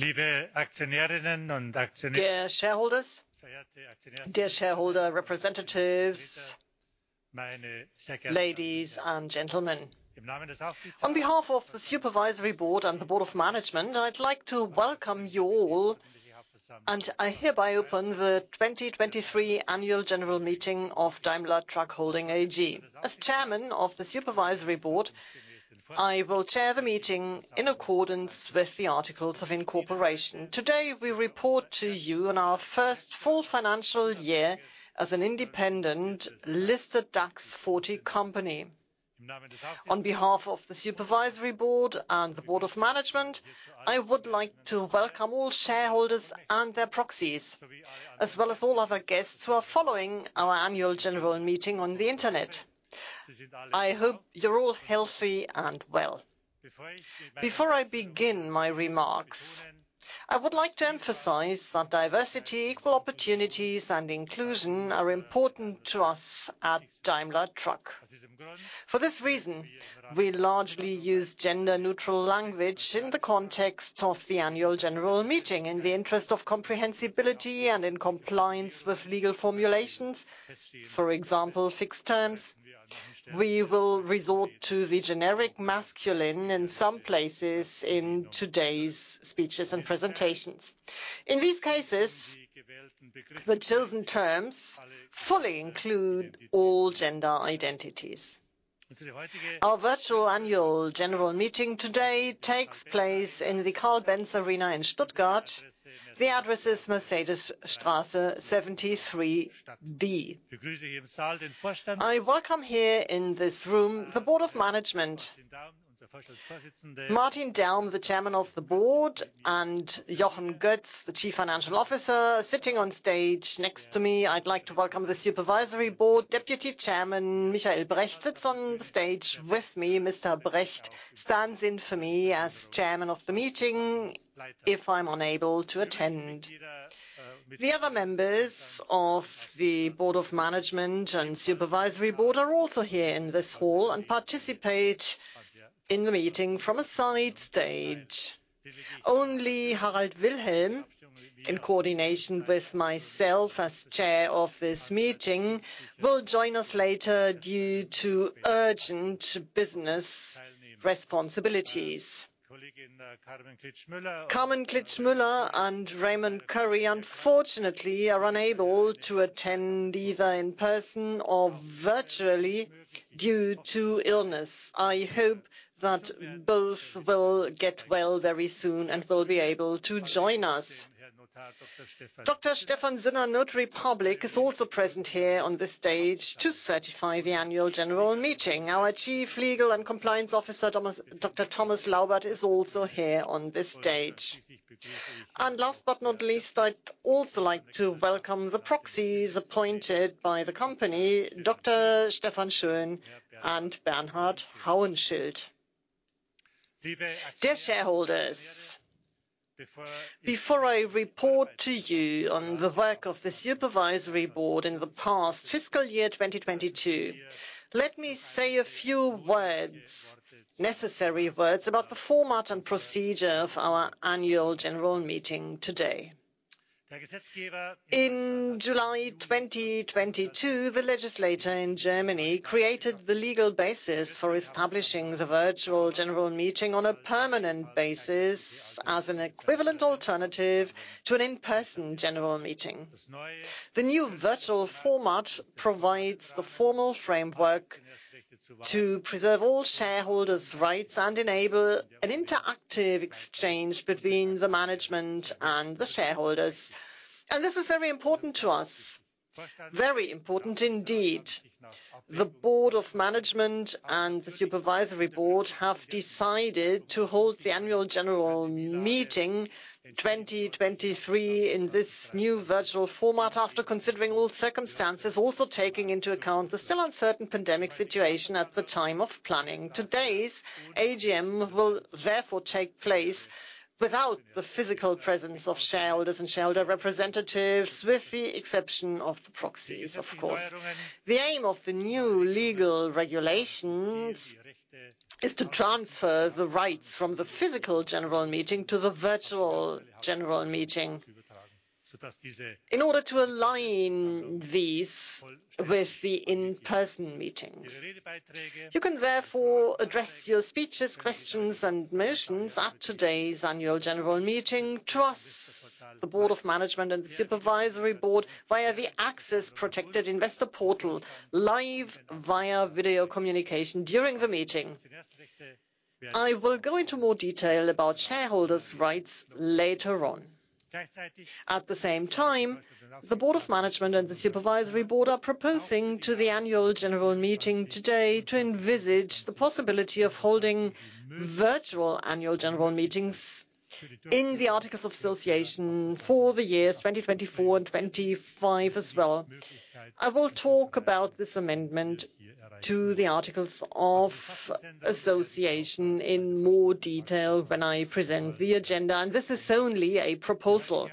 Liebe Aktionärinnen und Aktionäre, dear shareholders, dear shareholder representatives, ladies and gentlemen. On behalf of the Supervisory Board and the Board of Management, I'd like to welcome you all, and I hereby open the 2023 annual general meeting of Daimler Truck Holding AG. As Chairman of the Supervisory Board, I will chair the meeting in accordance with the articles of incorporation. Today, we report to you on our first full financial year as an independent, listed DAX 40 company. On behalf of the Supervisory Board and the Board of Management, I would like to welcome all shareholders and their proxies, as well as all other guests who are following our annual general meeting on the Internet. I hope you're all healthy and well. Before I begin my remarks, I would like to emphasize that diversity, equal opportunities, and inclusion are important to us at Daimler Truck. For this reason, we largely use gender-neutral language in the context of the annual general meeting. In the interest of comprehensibility and in compliance with legal formulations, for example, fixed terms, we will resort to the generic masculine in some places in today's speeches and presentations. In these cases, the chosen terms fully include all gender identities. Our virtual annual general meeting today takes place in the Carl Benz Arena in Stuttgart. The address is Mercedesstraße 73 D. I welcome here in this room, the Board of Management, Martin Daum, the Chairman of the Board, and Jochen Goetz, the Chief Financial Officer. Sitting on stage next to me, I'd like to welcome the Supervisory Board, Deputy Chairman Michael Brecht sits on the stage with me. Mr. Brecht stands in for me as Chairman of the Meeting if I'm unable to attend. The other members of the board of management and supervisory board are also here in this hall, and participate in the meeting from a side stage. Only Harald Wilhelm, in coordination with myself as chair of this meeting, will join us later due to urgent business responsibilities. Carmen Klitzsch-Müller and Ray Curry, unfortunately, are unable to attend either in person or virtually due to illness. I hope that both will get well very soon and will be able to join us. Dr. Stefan Sinner, Notary Public, is also present here on this stage to certify the annual general meeting. Our Chief Legal and Compliance Officer, Dr. Thomas Laubert, is also here on this stage. Last but not least, I'd also like to welcome the proxies appointed by the company, Dr. Stefan Schön and Bernhard Hauenschild. Dear shareholders, before I report to you on the work of the Supervisory Board in the past fiscal year, 2022, let me say a few words, necessary words, about the format and procedure of our Annual General Meeting today. In July 2022, the legislator in Germany created the legal basis for establishing the virtual general meeting on a permanent basis as an equivalent alternative to an in-person general meeting. The new virtual format provides the formal framework to preserve all shareholders' rights and enable an interactive exchange between the Management and the shareholders. This is very important to us, very important indeed. The Board of Management and the Supervisory Board have decided to hold the Annual General Meeting 2023 in this new virtual format, after considering all circumstances, also taking into account the still uncertain pandemic situation at the time of planning. Today's AGM will therefore take place without the physical presence of shareholders and shareholder representatives, with the exception of the proxies, of course. The aim of the new legal regulations is to transfer the rights from the physical general meeting to the virtual general meeting, in order to align these with the in-person meetings. You can therefore address your speeches, questions, and motions at today's annual general meeting to us, the Board of Management and the Supervisory Board, via the access-protected investor portal, live via video communication during the meeting. I will go into more detail about shareholders' rights later on. At the same time, the Board of Management and the Supervisory Board are proposing to the annual general meeting today to envisage the possibility of holding virtual annual general meetings in the articles of association for the years 2024 and 2025 as well. I will talk about this amendment to the articles of association in more detail when I present the agenda. This is only a proposal.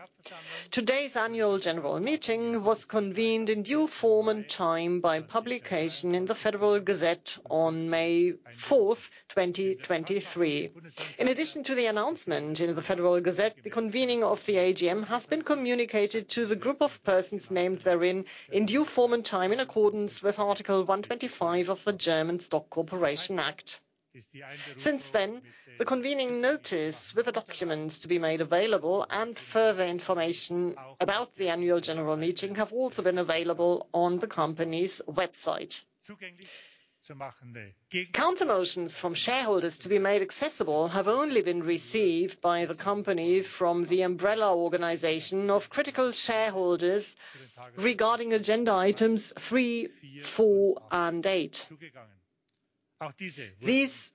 Today's annual general meeting was convened in due form and time by publication in the Federal Gazette on May 4th, 2023. In addition to the announcement in the Federal Gazette, the convening of the AGM has been communicated to the group of persons named therein in due form and time, in accordance with Article 125 of the German Stock Corporation Act. Since then, the convening notice, with the documents to be made available and further information about the annual general meeting, have also been available on the company's website. Counter motions from shareholders to be made accessible have only been received by the company from the umbrella organization of critical shareholders regarding agenda items three, four, and eight. These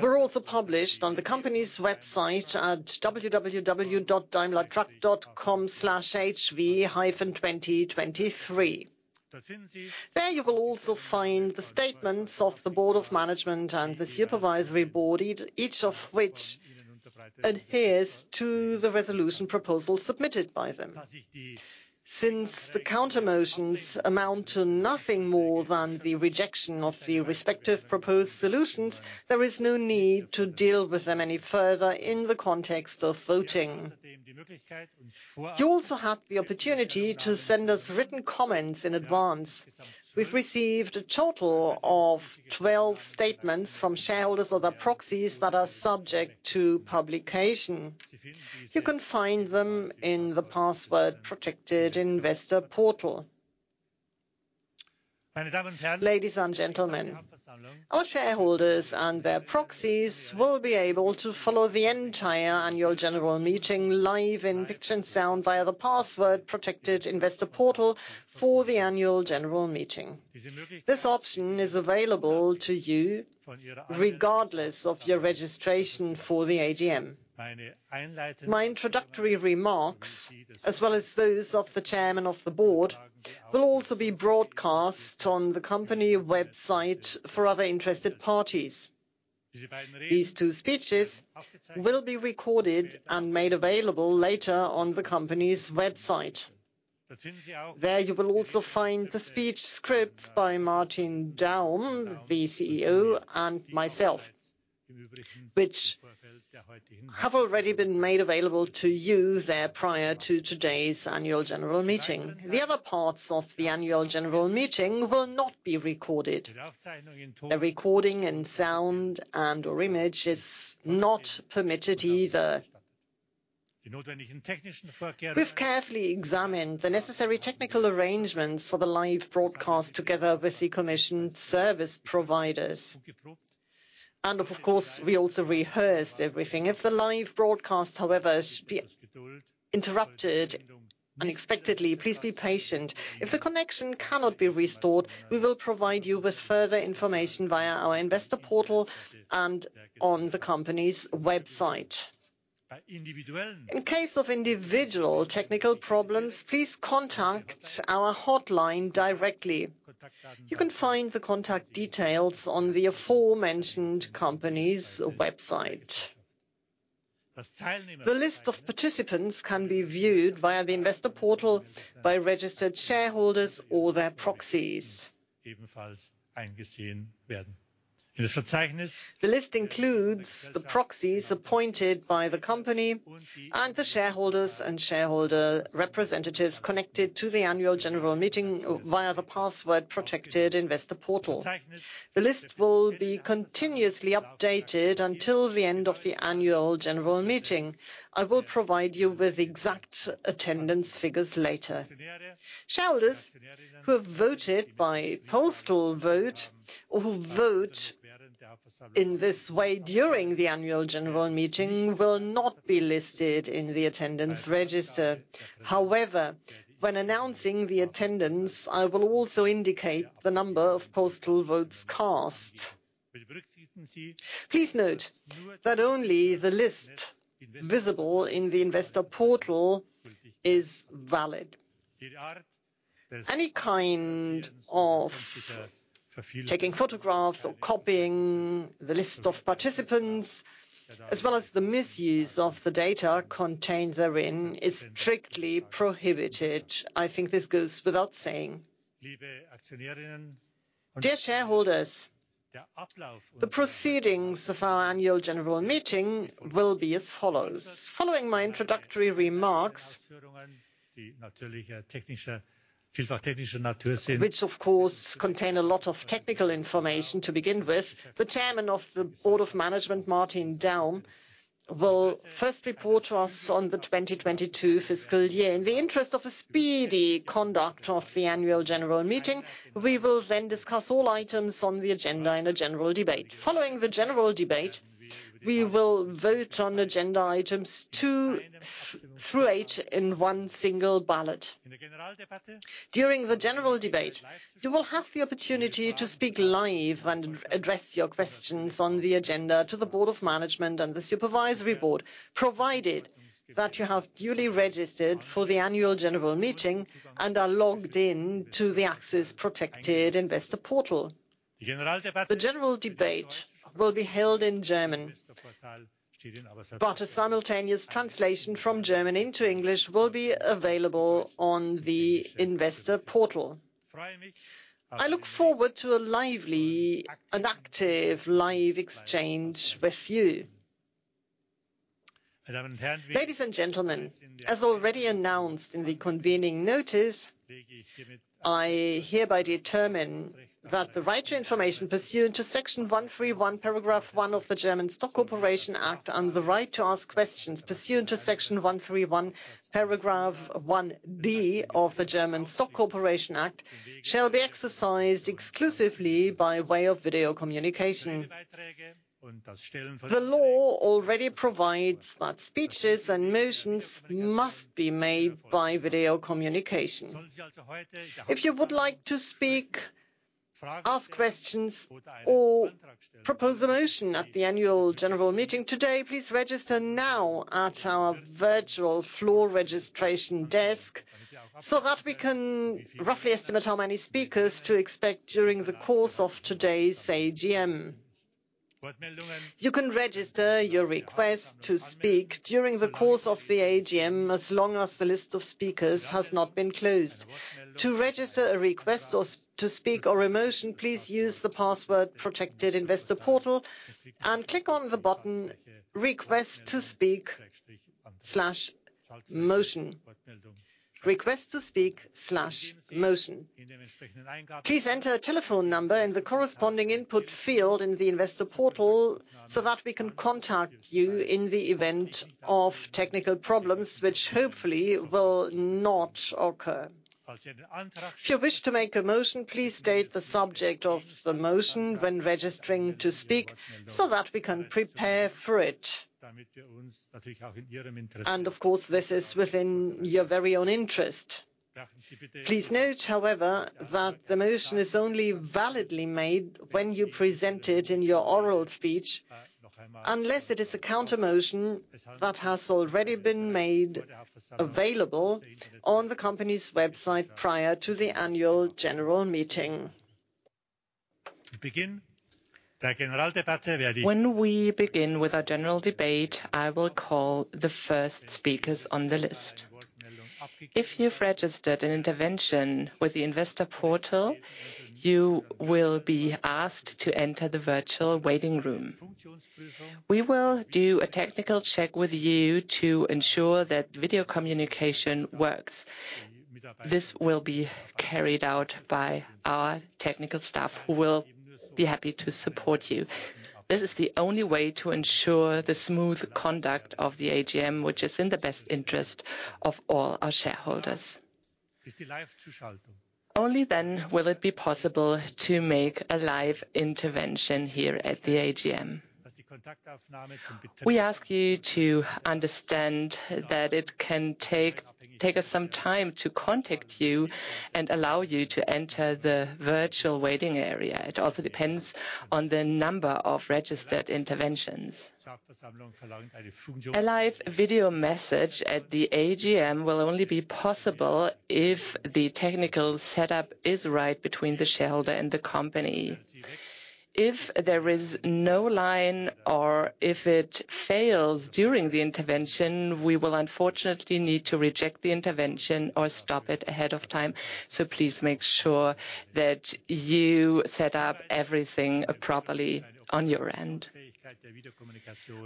were also published on the company's website at www.daimlertruck.com/HV-2023. There you will also find the statements of the Board of Management and the Supervisory Board, each of which adheres to the resolution proposal submitted by them. Since the counter motions amount to nothing more than the rejection of the respective proposed solutions, there is no need to deal with them any further in the context of voting. You also have the opportunity to send us written comments in advance. We've received a total of 12 statements from shareholders or their proxies that are subject to publication. You can find them in the password-protected investor portal. Ladies and gentlemen, our shareholders and their proxies will be able to follow the entire Annual General Meeting live in picture and sound via the password-protected investor portal for the Annual General Meeting. This option is available to you regardless of your registration for the AGM. My introductory remarks, as well as those of the chairman of the board, will also be broadcast on the company website for other interested parties. These 2 speeches will be recorded and made available later on the company's website. There you will also find the speech scripts by Martin Daum, the CEO, and myself, which have already been made available to you there prior to today's annual general meeting. The other parts of the annual general meeting will not be recorded. A recording in sound and/or image is not permitted either. We've carefully examined the necessary technical arrangements for the live broadcast together with the commissioned service providers. Of course, we also rehearsed everything. If the live broadcast, however, should be interrupted unexpectedly, please be patient. If the connection cannot be restored, we will provide you with further information via our investor portal and on the company's website. In case of individual technical problems, please contact our hotline directly. You can find the contact details on the aforementioned company's website. The list of participants can be viewed via the investor portal by registered shareholders or their proxies. The list includes the proxies appointed by the company and the shareholders and shareholder representatives connected to the annual general meeting via the password-protected investor portal. The list will be continuously updated until the end of the annual general meeting. I will provide you with exact attendance figures later. Shareholders who have voted by postal vote or who vote in this way during the annual general meeting will not be listed in the attendance register. When announcing the attendance, I will also indicate the number of postal votes cast. Please note that only the list visible in the investor portal is valid. Any kind of taking photographs or copying the list of participants, as well as the misuse of the data contained therein, is strictly prohibited. I think this goes without saying. Dear shareholders, the proceedings of our annual general meeting will be as follows: Following my introductory remarks, which of course contain a lot of technical information to begin with, the Chairman of the Board of Management, Martin Daum, will first report to us on the 2022 fiscal year. In the interest of a speedy conduct of the annual general meeting, we will then discuss all items on the agenda in a general debate. Following the general debate, we will vote on agenda items 2 through 8 in one single ballot. During the general debate, you will have the opportunity to speak live and address your questions on the agenda to the Board of Management and the Supervisory Board, provided that you have duly registered for the Annual General Meeting and are logged in to the access-protected Investor Portal. The general debate will be held in German, but a simultaneous translation from German into English will be available on the investor portal. I look forward to a lively and active live exchange with you. Ladies and gentlemen, as already announced in the convening notice, I hereby determine that the right to information pursuant to Section 131, paragraph 1 of the German Stock Corporation Act, and the right to ask questions pursuant to Section 131, paragraph 1 B of the German Stock Corporation Act, shall be exercised exclusively by way of video communication. The law already provides that speeches and motions must be made by video communication. If you would like to speak, ask questions, or propose a motion at the annual general meeting today, please register now at our virtual floor registration desk so that we can roughly estimate how many speakers to expect during the course of today's AGM. You can register your request to speak during the course of the AGM as long as the list of speakers has not been closed. To register a request or to speak or a motion, please use the password-protected investor portal and click on the button, Request to Speak/Motion. Please enter a telephone number in the corresponding input field in the investor portal so that we can contact you in the event of technical problems, which hopefully will not occur. If you wish to make a motion, please state the subject of the motion when registering to speak so that we can prepare for it. Of course, this is within your very own interest. Please note, however, that the motion is only validly made when you present it in your oral speech, unless it is a counter motion that has already been made available on the company's website prior to the annual general meeting. When we begin with our general debate, I will call the first speakers on the list. If you've registered an intervention with the investor portal, you will be asked to enter the virtual waiting room. We will do a technical check with you to ensure that video communication works. This will be carried out by our technical staff, who will be happy to support you. This is the only way to ensure the smooth conduct of the AGM, which is in the best interest of all our shareholders. Only then will it be possible to make a live intervention here at the AGM. We ask you to understand that it can take us some time to contact you and allow you to enter the virtual waiting area. It also depends on the number of registered interventions. A live video message at the AGM will only be possible if the technical setup is right between the shareholder and the company. If there is no line or if it fails during the intervention, we will unfortunately need to reject the intervention or stop it ahead of time. Please make sure that you set up everything properly on your end.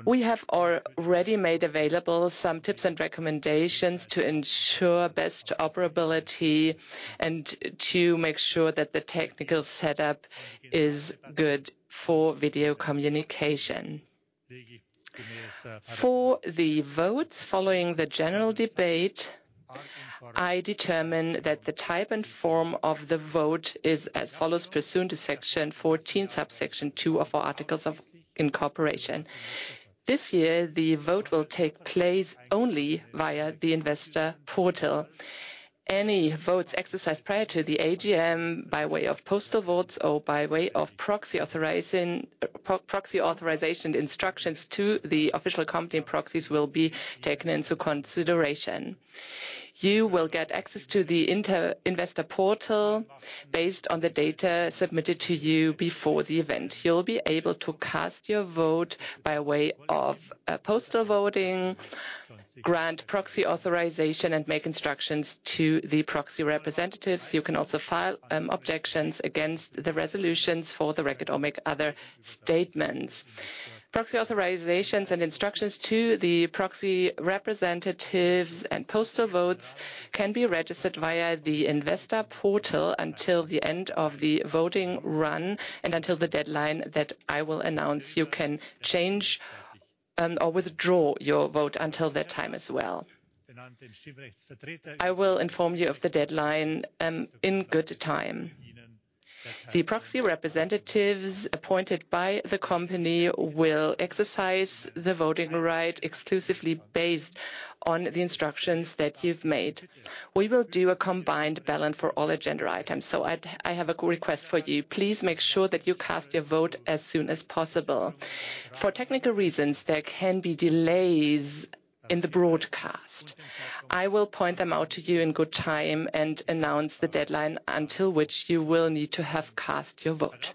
We have already made available some tips and recommendations to ensure best operability and to make sure that the technical setup is good for video communication. For the votes following the general debate, I determine that the type and form of the vote is as follows: pursuant to Section 14, subsection 2 of our articles of incorporation. This year, the vote will take place only via the investor portal. Any votes exercised prior to the AGM, by way of postal votes or by way of proxy authorization instructions to the official company proxies, will be taken into consideration. You will get access to the investor portal based on the data submitted to you before the event. You'll be able to cast your vote by way of postal voting, grant proxy authorization, and make instructions to the proxy representatives. You can also file objections against the resolutions for the record or make other statements. Proxy authorizations and instructions to the proxy representatives and postal votes can be registered via the investor portal until the end of the voting run and until the deadline that I will announce. You can change or withdraw your vote until that time as well. I will inform you of the deadline in good time. The proxy representatives appointed by the company will exercise the voting right exclusively based on the instructions that you've made. We will do a combined ballot for all agenda items. I have a request for you. Please make sure that you cast your vote as soon as possible. For technical reasons, there can be delays in the broadcast. I will point them out to you in good time and announce the deadline until which you will need to have cast your vote.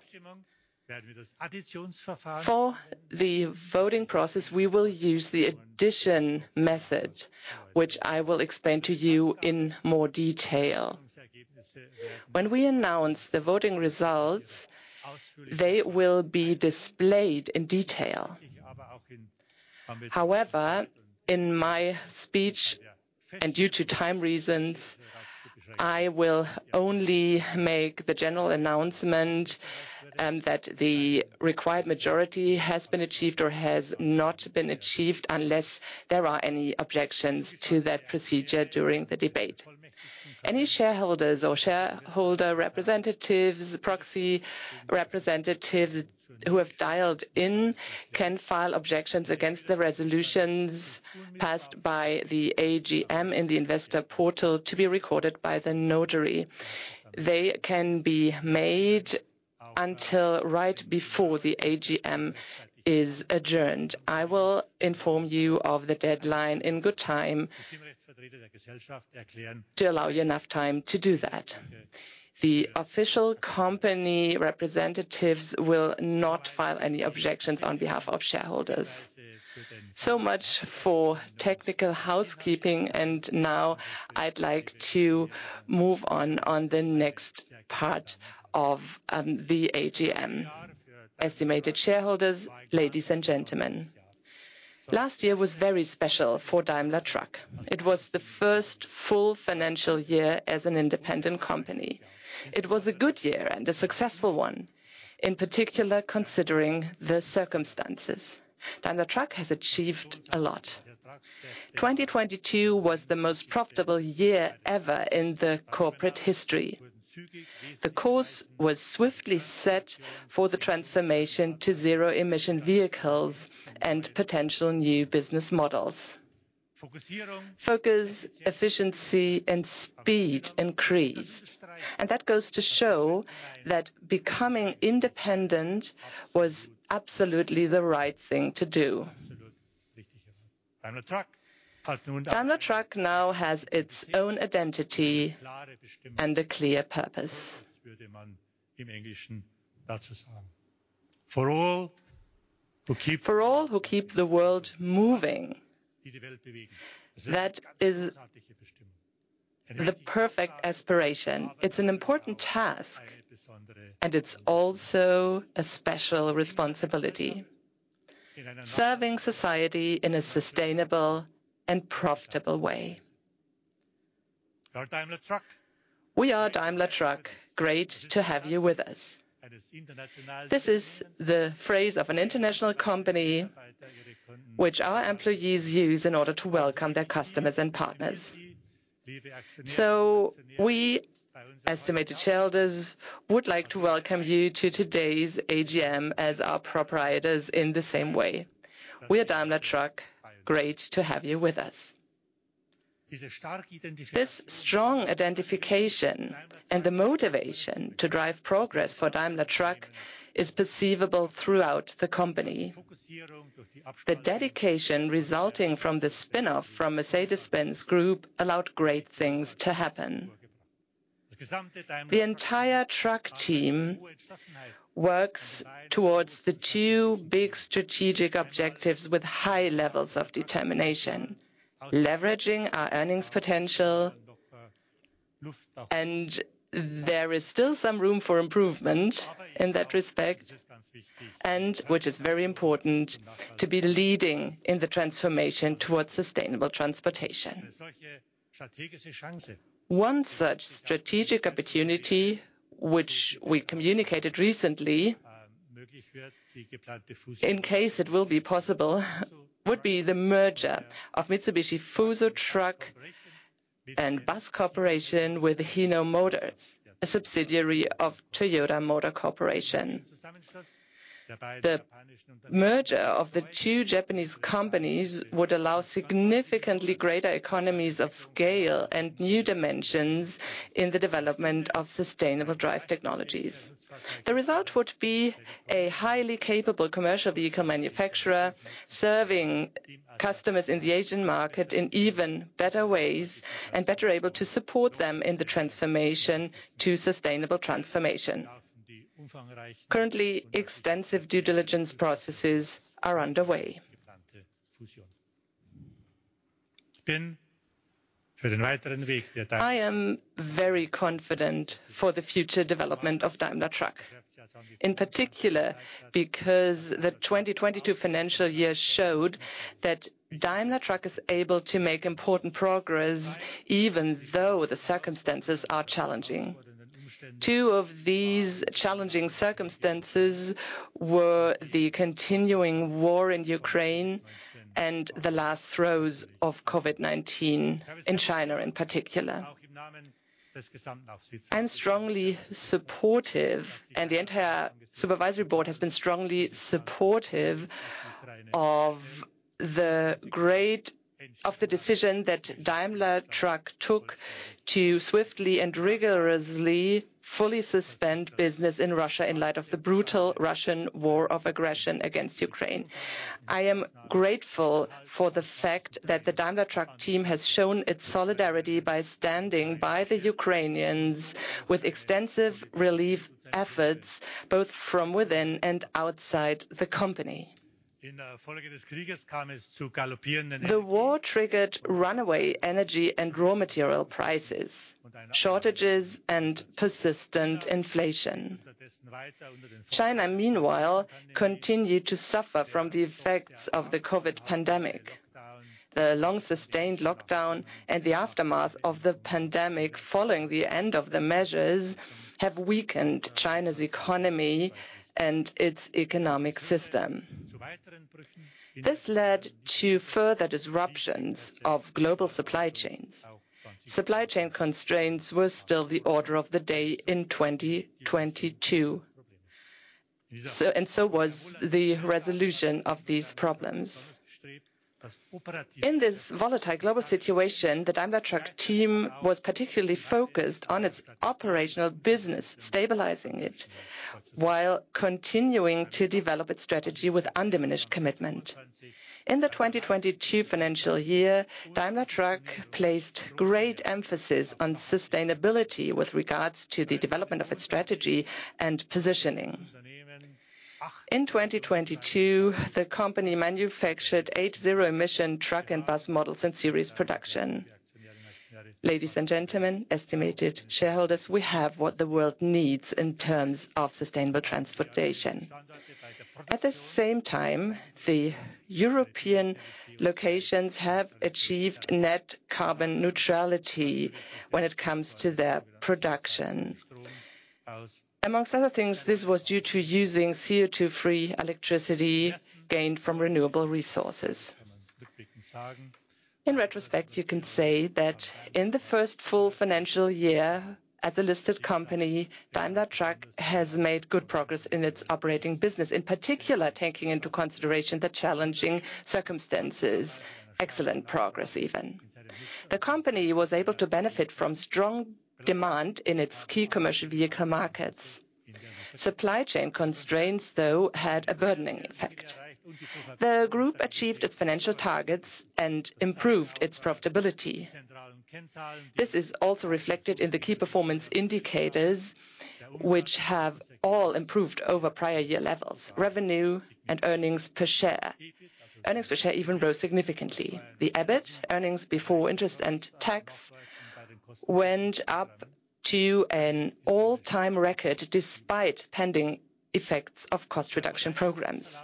For the voting process, we will use the addition method, which I will explain to you in more detail. When we announce the voting results, they will be displayed in detail. In my speech, and due to time reasons, I will only make the general announcement that the required majority has been achieved or has not been achieved, unless there are any objections to that procedure during the debate. Any shareholders or shareholder representatives, proxy representatives who have dialed in, can file objections against the resolutions passed by the AGM in the investor portal to be recorded by the notary. They can be made until right before the AGM is adjourned. I will inform you of the deadline in good time, to allow you enough time to do that. The official company representatives will not file any objections on behalf of shareholders. Much for technical housekeeping, and now I'd like to move on to the next part of the AGM. Estimated shareholders, ladies and gentlemen, last year was very special for Daimler Truck. It was the first full financial year as an independent company. It was a good year and a successful one, in particular, considering the circumstances. Daimler Truck has achieved a lot. 2022 was the most profitable year ever in the corporate history. The course was swiftly set for the transformation to zero-emission vehicles and potential new business models. Focus, efficiency, and speed increased, and that goes to show that becoming independent was absolutely the right thing to do. Daimler Truck now has its own identity and a clear purpose. For all who keep, for all who keep the world moving, that is the perfect aspiration. It's an important task, and it's also a special responsibility, serving society in a sustainable and profitable way. We are Daimler Truck. Great to have you with us. This is the phrase of an international company which our employees use in order to welcome their customers and partners. We, estimated shareholders, would like to welcome you to today's AGM as our proprietors in the same way. We are Daimler Truck. Great to have you with us. This strong identification and the motivation to drive progress for Daimler Truck is perceivable throughout the company. The dedication resulting from the spin-off from Mercedes-Benz Group allowed great things to happen. The entire truck team works towards the two big strategic objectives with high levels of determination, leveraging our earnings potential, and there is still some room for improvement in that respect, and which is very important, to be leading in the transformation towards sustainable transportation. One such strategic opportunity, which we communicated recently, in case it will be possible, would be the merger of Mitsubishi Fuso Truck and Bus Corporation with Hino Motors, a subsidiary of Toyota Motor Corporation. The merger of the two Japanese companies would allow significantly greater economies of scale and new dimensions in the development of sustainable drive technologies. The result would be a highly capable commercial vehicle manufacturer, serving customers in the Asian market in even better ways, and better able to support them in the transformation to sustainable transformation. Currently, extensive due diligence processes are underway. I am very confident for the future development of Daimler Truck, in particular, because the 2022 financial year showed that Daimler Truck is able to make important progress, even though the circumstances are challenging. Two of these challenging circumstances were the continuing war in Ukraine and the last throes of COVID-19 in China, in particular. I'm strongly supportive. The entire Supervisory Board has been strongly supportive of the decision that Daimler Truck took to swiftly and rigorously fully suspend business in Russia in light of the brutal Russian war of aggression against Ukraine. I am grateful for the fact that the Daimler Truck team has shown its solidarity by standing by the Ukrainians with extensive relief efforts, both from within and outside the company. The war triggered runaway energy and raw material prices, shortages, and persistent inflation. China, meanwhile, continued to suffer from the effects of the COVID pandemic. The long-sustained lockdown and the aftermath of the pandemic following the end of the measures, have weakened China's economy and its economic system. This led to further disruptions of global supply chains. Supply chain constraints were still the order of the day in 2022, so, and so was the resolution of these problems. In this volatile global situation, the Daimler Truck team was particularly focused on its operational business, stabilizing it, while continuing to develop its strategy with undiminished commitment. In the 2022 financial year, Daimler Truck placed great emphasis on sustainability with regards to the development of its strategy and positioning. In 2022, the company manufactured eight zero emission truck and bus models in series production. Ladies and gentlemen, estimated shareholders, we have what the world needs in terms of sustainable transportation. At the same time, the European locations have achieved net carbon neutrality when it comes to their production. Amongst other things, this was due to using CO2-free electricity gained from renewable resources. In retrospect, you can say that in the first full financial year as a listed company, Daimler Truck has made good progress in its operating business, in particular, taking into consideration the challenging circumstances, excellent progress, even. The company was able to benefit from strong demand in its key commercial vehicle markets. Supply chain constraints, though, had a burdening effect. The group achieved its financial targets and improved its profitability. This is also reflected in the key performance indicators, which have all improved over prior year levels, revenue and earnings per share. Earnings per share even grew significantly. The EBIT, earnings before interest and tax, went up to an all-time record, despite pending effects of cost reduction programs.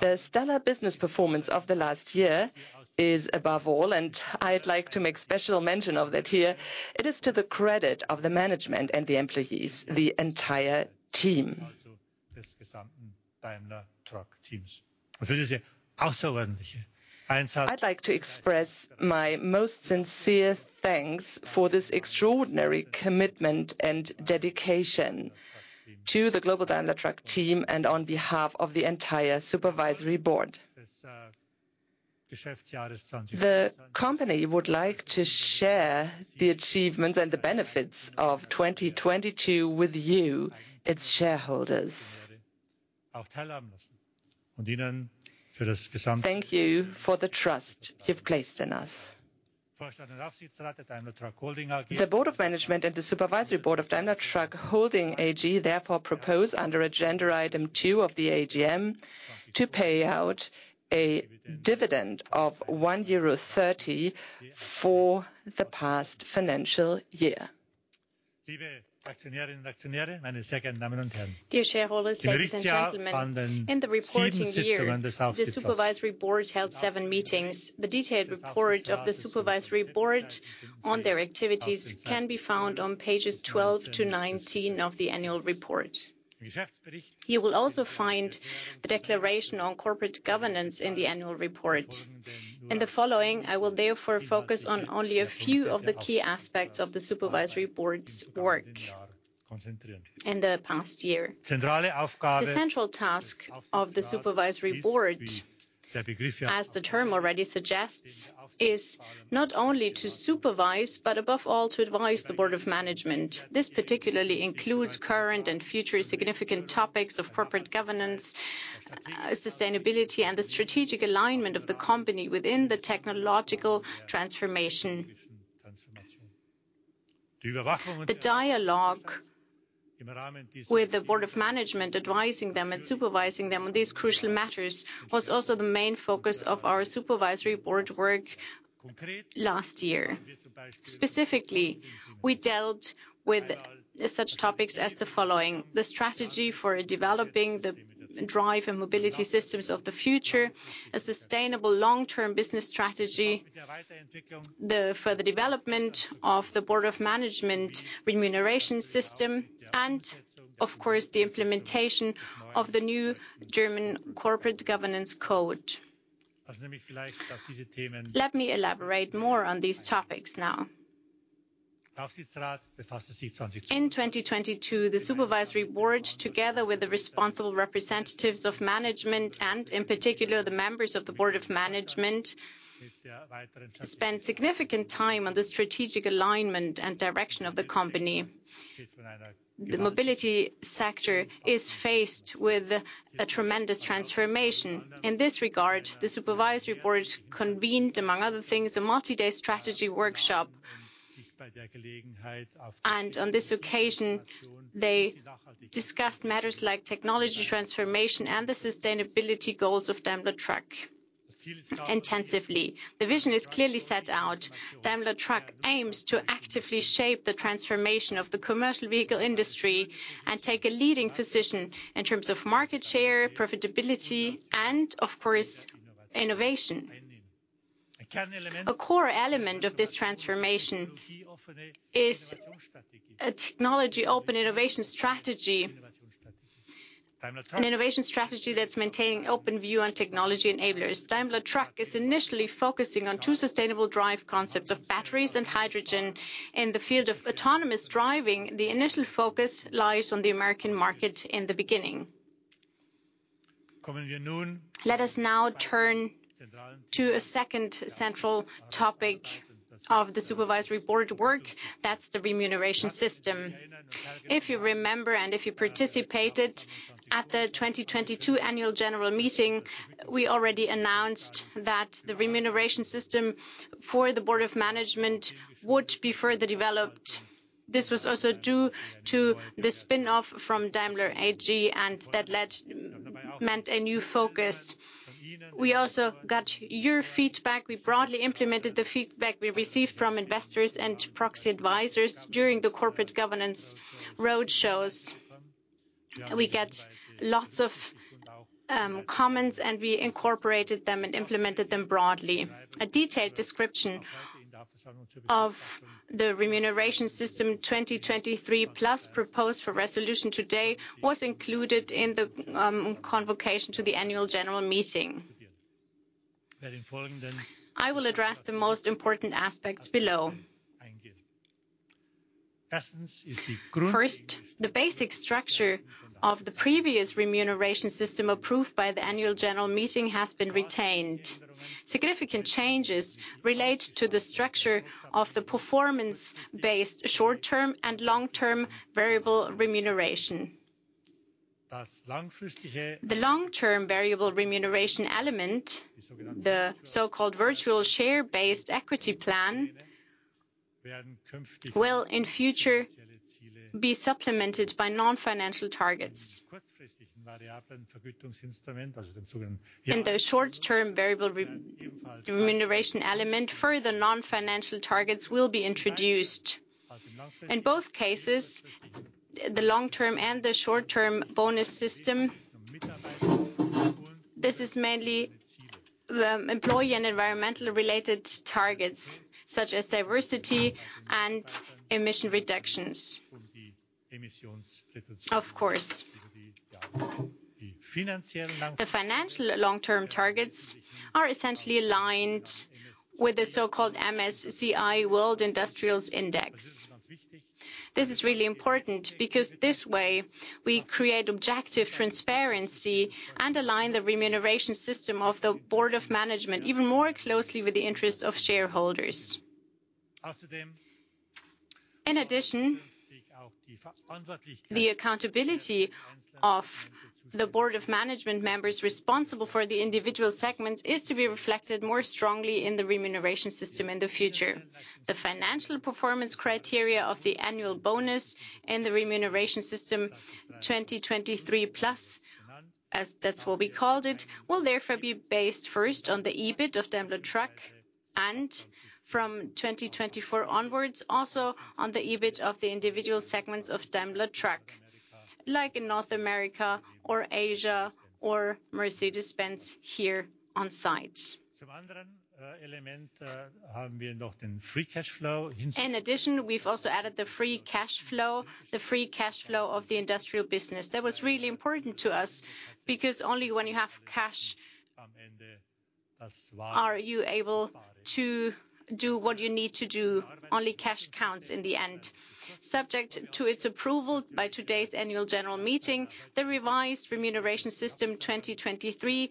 The stellar business performance of the last year is, above all, and I'd like to make special mention of that here, it is to the credit of the Management and the employees, the entire team. I'd like to express my most sincere thanks for this extraordinary commitment and dedication to the global Daimler Truck team, and on behalf of the entire Supervisory Board. The company would like to share the achievements and the benefits of 2022 with you, its shareholders. Thank you for the trust you've placed in us. The Board of Management and the Supervisory Board of Daimler Truck Holding AG, therefore, propose under agenda item two of the AGM, to pay out a dividend of 1.30 euro for the past financial year. Dear shareholders, ladies and gentlemen, in the reporting year, the Supervisory Board held 7 meetings. The detailed report of the Supervisory Board on their activities can be found on pages 12 to 19 of the annual report. You will also find the declaration on corporate governance in the annual report. In the following, I will therefore focus on only a few of the key aspects of the Supervisory Board's work in the past year. The central task of the Supervisory Board, as the term already suggests, is not only to supervise, but above all, to advise the Board of Management. This particularly includes current and future significant topics of corporate governance, sustainability, and the strategic alignment of the company within the technological transformation. The dialogue with the Board of Management, advising them and supervising them on these crucial matters, was also the main focus of our Supervisory Board work last year. Specifically, we dealt with such topics as the following: the strategy for developing the drive and mobility systems of the future, a sustainable long-term business strategy, the further development of the Board of Management Remuneration System, and of course, the implementation of the new German Corporate Governance Code. Let me elaborate more on these topics now. In 2022, the Supervisory Board, together with the responsible representatives of management, and in particular, the members of the Board of Management, spent significant time on the strategic alignment and direction of the company. The mobility sector is faced with a tremendous transformation. In this regard, the Supervisory Board convened, among other things, a multi-day strategy workshop. On this occasion, they discussed matters like technology transformation and the sustainability goals of Daimler Truck intensively. The vision is clearly set out. Daimler Truck aims to actively shape the transformation of the commercial vehicle industry, and take a leading position in terms of market share, profitability, and of course, innovation. A core element of this transformation is a technology open innovation strategy. An innovation strategy that's maintaining open view on technology enablers. Daimler Truck is initially focusing on two sustainable drive concepts of batteries and hydrogen. In the field of autonomous driving, the initial focus lies on the American market in the beginning. Let us now turn to a second central topic of the supervisory board work, that's the remuneration system. If you remember, if you participated at the 2022 annual general meeting, we already announced that the remuneration system for the Board of Management would be further developed. This was also due to the spin-off from Daimler AG, that meant a new focus. We also got your feedback. We broadly implemented the feedback we received from investors and proxy advisors during the corporate governance roadshows. We get lots of comments, we incorporated them and implemented them broadly. A detailed description of the Remuneration System 2023+ proposed for resolution today, was included in the convocation to the annual general meeting. I will address the most important aspects below. First, the basic structure of the previous remuneration system approved by the annual general meeting has been retained. Significant changes relate to the structure of the performance-based short-term and long-term variable remuneration. The long-term variable remuneration element, the so-called virtual share-based equity plan, will in future be supplemented by non-financial targets. In the short-term variable remuneration element, further non-financial targets will be introduced. In both cases, the long-term and the short-term bonus system, this is mainly employee and environmental-related targets, such as diversity and emission reductions, of course. The financial long-term targets are essentially aligned with the so-called MSCI World Industrials Index. This is really important because this way we create objective transparency, and align the remuneration system of the Board of Management even more closely with the interests of shareholders. In addition, the accountability of the Board of Management members responsible for the individual segments is to be reflected more strongly in the remuneration system in the future. The financial performance criteria of the annual bonus and the Remuneration System 2023+, as that's what we called it, will therefore be based first on the EBIT of Daimler Truck, and from 2024 onwards, also on the EBIT of the individual segments of Daimler Truck, like in North America, Asia or Mercedes-Benz here on site. In addition, we've also added the free cash flow, the free cash flow of the industrial business. That was really important to us, because only when you have cash are you able to do what you need to do. Only cash counts in the end. Subject to its approval by today's annual general meeting, the revised Remuneration System 2023,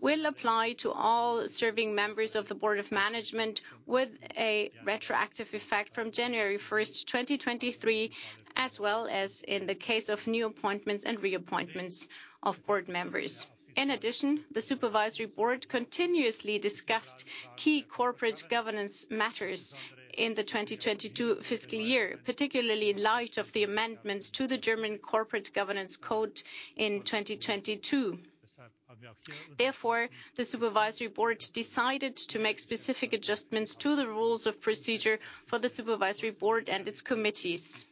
will apply to all serving members of the Board of Management, with a retroactive effect from January 1, 2023, as well as in the case of new appointments and reappointments of board members. In addition, the Supervisory Board continuously discussed key corporate governance matters in the 2022 fiscal year, particularly in light of the amendments to the German Corporate Governance Code in 2022. Therefore, the Supervisory Board decided to make specific adjustments to the rules of procedure for the Supervisory Board and its committees,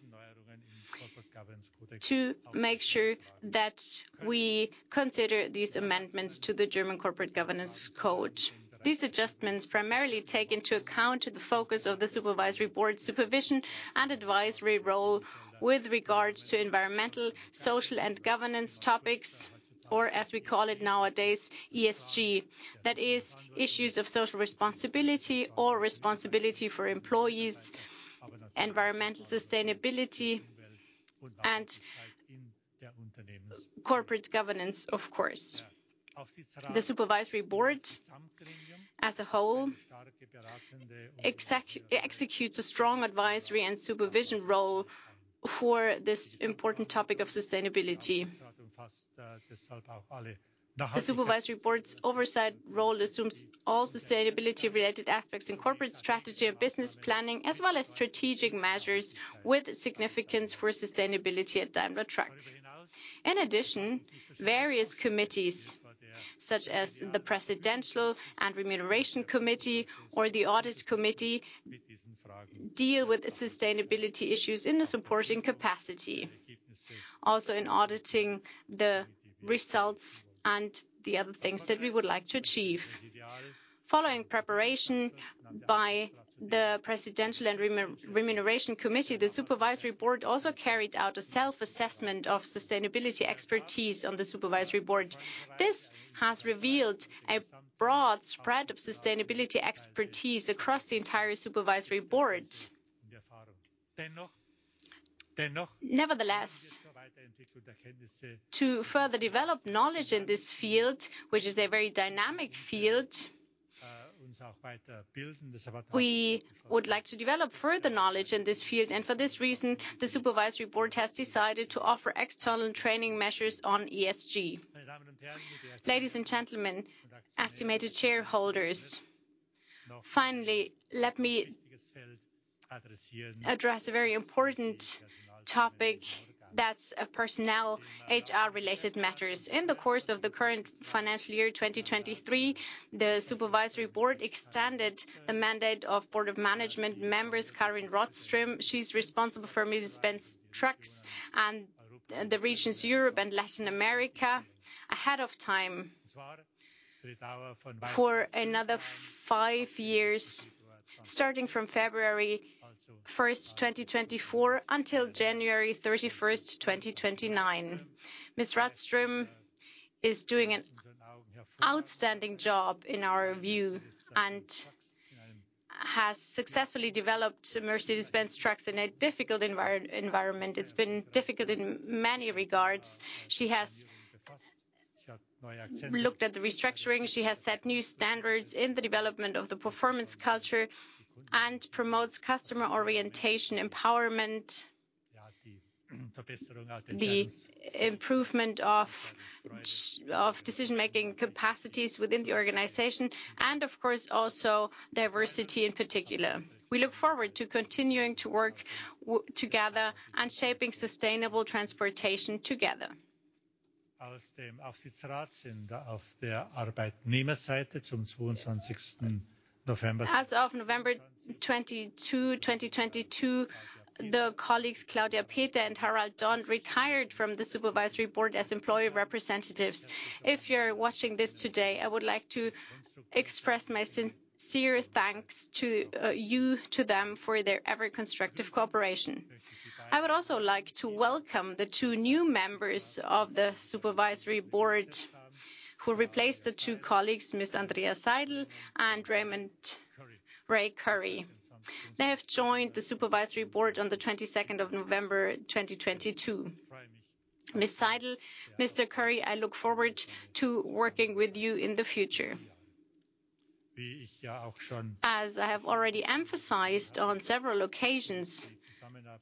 to make sure that we consider these amendments to the German Corporate Governance Code. These adjustments primarily take into account the focus of the Supervisory Board's supervision and advisory role with regards to environmental, social, and governance topics, or as we call it nowadays, ESG. That is, issues of social responsibility or responsibility for employees, environmental sustainability and corporate governance, of course. The supervisory board, as a whole, executes a strong advisory and supervision role for this important topic of sustainability. The supervisory board's oversight role assumes all sustainability-related aspects in corporate strategy and business planning, as well as strategic measures with significance for sustainability at Daimler Truck. In addition, various committees, such as the Presidential and Remuneration Committee or the Audit Committee, deal with the sustainability issues in the supporting capacity, also in auditing the results and the other things that we would like to achieve. Following preparation by the Presidential and Remuneration Committee, the supervisory board also carried out a self-assessment of sustainability expertise on the supervisory board. This has revealed a broad spread of sustainability expertise across the entire supervisory board. Nevertheless, to further develop knowledge in this field, which is a very dynamic field, we would like to develop further knowledge in this field, and for this reason, the Supervisory Board has decided to offer external training measures on ESG. Ladies and gentlemen, estimated shareholders, finally, let me address a very important topic. That's, personnel, HR-related matters. In the course of the current financial year, 2023, the Supervisory Board extended the mandate of Board of Management members, Karin Rådström, she's responsible for Mercedes-Benz Trucks and the regions Europe and Latin America, ahead of time for another 5 years, starting from February 1st, 2024, until January 31st, 2029. Ms. Rådström is doing an outstanding job, in our view, and has successfully developed Mercedes-Benz Trucks in a difficult environment. It's been difficult in many regards. She has looked at the restructuring. She has set new standards in the development of the performance culture and promotes customer orientation, empowerment, the improvement of decision-making capacities within the organization, and of course, also diversity in particular. We look forward to continuing to work together and shaping sustainable transportation together. As of November 22, 2022, the colleagues, Claudia Peter and Harald Dorn, retired from the Supervisory Board as employee representatives. If you're watching this today, I would like to express my sincere thanks to you, to them, for their ever constructive cooperation. I would also like to welcome the two new members of the Supervisory Board, who replaced the two colleagues, Ms. Andrea Seidel and Raymond, Ray Curry. They have joined the Supervisory Board on the 22nd of November, 2022. Ms. Seidel, Mr. Curry, I look forward to working with you in the future. As I have already emphasized on several occasions,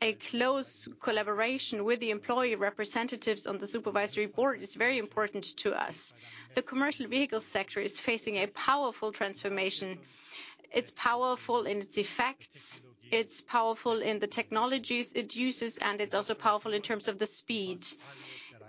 a close collaboration with the employee representatives on the supervisory board is very important to us. The commercial vehicle sector is facing a powerful transformation. It's powerful in its effects, it's powerful in the technologies it uses, and it's also powerful in terms of the speed.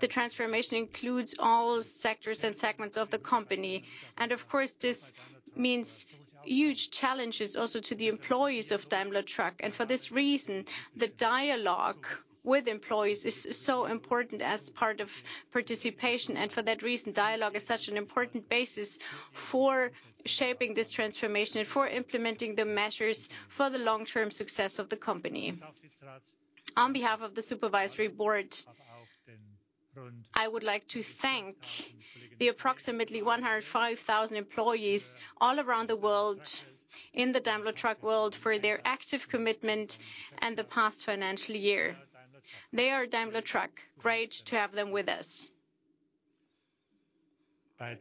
The transformation includes all sectors and segments of the company, and of course, this means huge challenges also to the employees of Daimler Truck. For this reason, the dialogue with employees is so important as part of participation. For that reason, dialogue is such an important basis for shaping this transformation and for implementing the measures for the long-term success of the company. On behalf of the supervisory board, I would like to thank the approximately 105,000 employees all around the world, in the Daimler Truck world, for their active commitment in the past financial year. They are Daimler Truck. Great to have them with us. I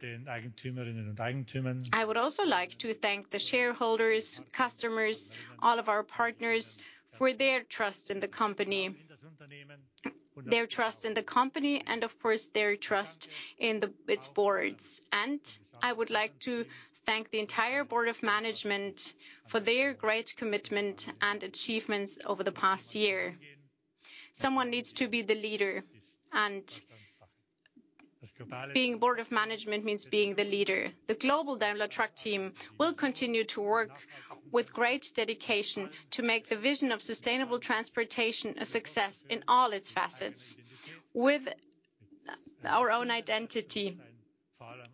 would also like to thank the shareholders, customers, all of our partners, for their trust in the company. Their trust in the company, and of course, their trust in its boards. I would like to thank the entire board of management for their great commitment and achievements over the past year. Someone needs to be the leader, and being board of management means being the leader. The global Daimler Truck team will continue to work with great dedication to make the vision of sustainable transportation a success in all its facets, with our own identity,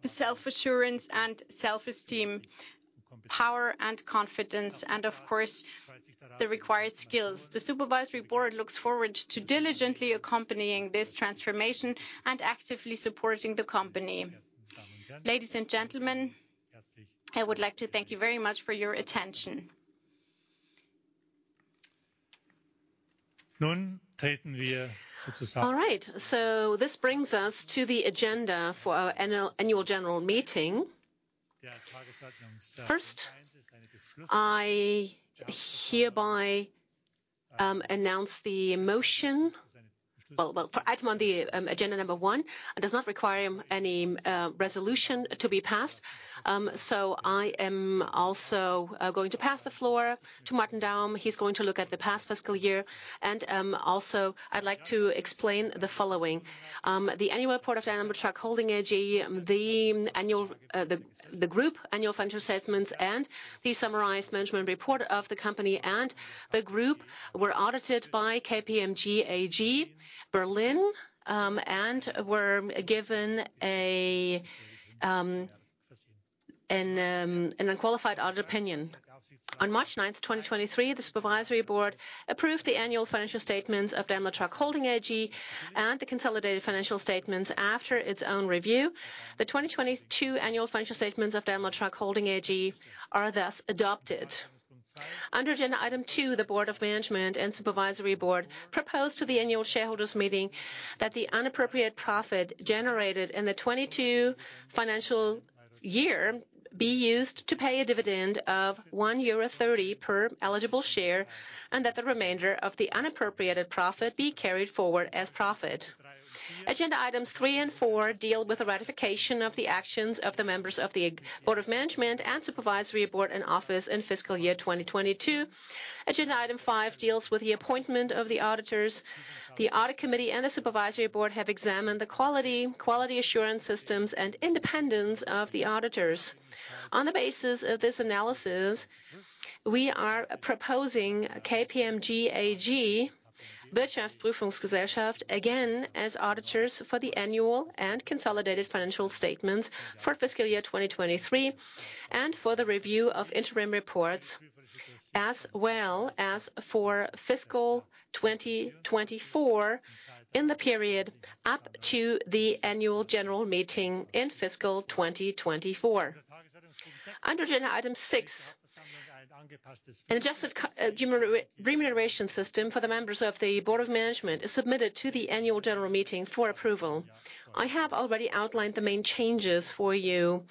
self-assurance and self-esteem, power and confidence, and of course, the required skills. The supervisory board looks forward to diligently accompanying this transformation and actively supporting the company. Ladies and gentlemen. I would like to thank you very much for your attention. This brings us to the agenda for our Annual General Meeting. 1st, I hereby announce the motion. Well, for item on the agenda number one, it does not require any resolution to be passed. I am also going to pass the floor to Martin Daum. He's going to look at the past fiscal year, and also, I'd like to explain the following. The annual report of Daimler Truck Holding AG, the Group Annual Financial Statements, and the summarized management report of the company and the Group were audited by KPMG AG, Berlin, and were given an unqualified audit opinion. On March 9, 2023, the Supervisory Board approved the annual financial statements of Daimler Truck Holding AG and the consolidated financial statements after its own review. The 2022 annual financial statements of Daimler Truck Holding AG are thus adopted. Under agenda item 2, the Board of Management and Supervisory Board proposed to the annual shareholders meeting that the unappropriated profit generated in the 2022 financial year be used to pay a dividend of 1.30 euro per eligible share, and that the remainder of the unappropriated profit be carried forward as profit. Agenda items 3 and 4 deal with the ratification of the actions of the members of the Board of Management and Supervisory Board in office in fiscal year 2022. Agenda item 5 deals with the appointment of the auditors. The Audit Committee and the Supervisory Board have examined the quality assurance systems, and independence of the auditors. On the basis of this analysis, we are proposing KPMG AG, again, as auditors for the annual and consolidated financial statements for fiscal year 2023, and for the review of interim reports, as well as for fiscal 2024, in the period up to the Annual General Meeting in fiscal 2024. Under agenda item 6, an adjusted remuneration system for the members of the Board of Management is submitted to the Annual General Meeting for approval. I have already outlined the main changes for you.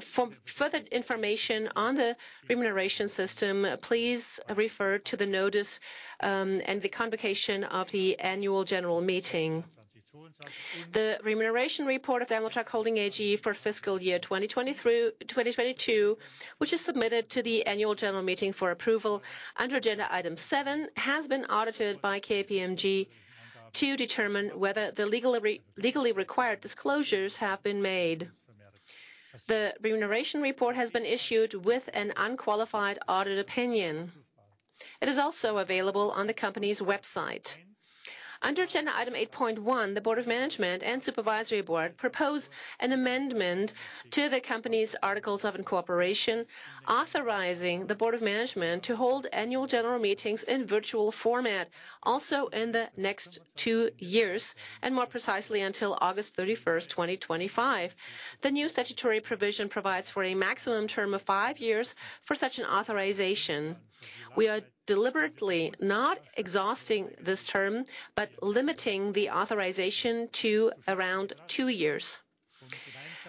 For further information on the remuneration system, please refer to the notice and the convocation of the Annual General Meeting. The remuneration report of Daimler Truck Holding AG for fiscal year 2020 through 2022, which is submitted to the Annual General Meeting for approval under agenda item 7, has been audited by KPMG to determine whether the legally required disclosures have been made. The remuneration report has been issued with an unqualified audit opinion. It is also available on the company's website. Under agenda item 8.1, the Board of Management and Supervisory Board propose an amendment to the company's articles of incorporation, authorizing the Board of Management to hold annual general meetings in virtual format, also in the next 2 years, and more precisely, until August 31, 2025. The new statutory provision provides for a maximum term of 5 years for such an authorization. We are deliberately not exhausting this term, but limiting the authorization to around 2 years.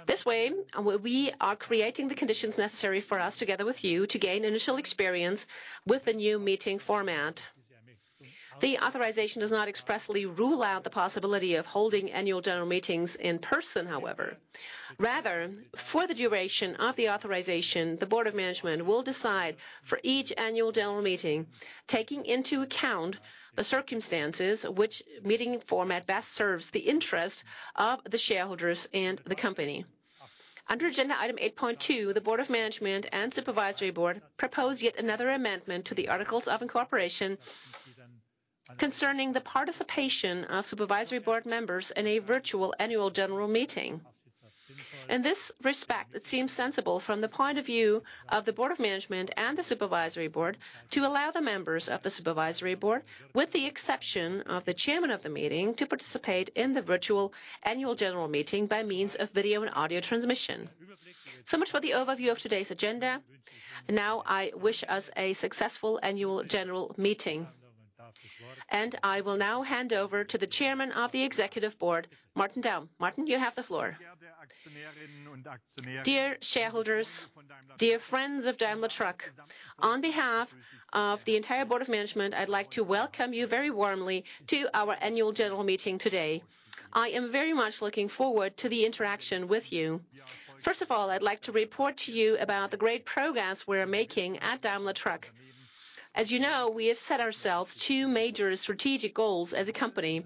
This way, we are creating the conditions necessary for us, together with you, to gain initial experience with the new meeting format. The authorization does not expressly rule out the possibility of holding Annual General Meetings in person, however. Rather, for the duration of the authorization, the Board of Management will decide for each Annual General Meeting, taking into account the circumstances which meeting format best serves the interest of the shareholders and the company. Under agenda item 8.2, the Board of Management and Supervisory Board propose yet another amendment to the articles of incorporation concerning the participation of Supervisory Board members in a virtual Annual General Meeting. In this respect, it seems sensible from the point of view of the Board of Management and the Supervisory Board to allow the members of the Supervisory Board, with the exception of the chairman of the meeting, to participate in the virtual Annual General Meeting by means of video and audio transmission. Much for the overview of today's agenda. Now, I wish us a successful Annual General Meeting, and I will now hand over to the Chairman of the Executive Board, Martin Daum. Martin, you have the floor. Dear shareholders, dear friends of Daimler Truck, on behalf of the entire Board of Management, I'd like to welcome you very warmly to our Annual General Meeting today. I am very much looking forward to the interaction with you. First of all, I'd like to report to you about the great progress we're making at Daimler Truck. As you know, we have set ourselves two major strategic goals as a company.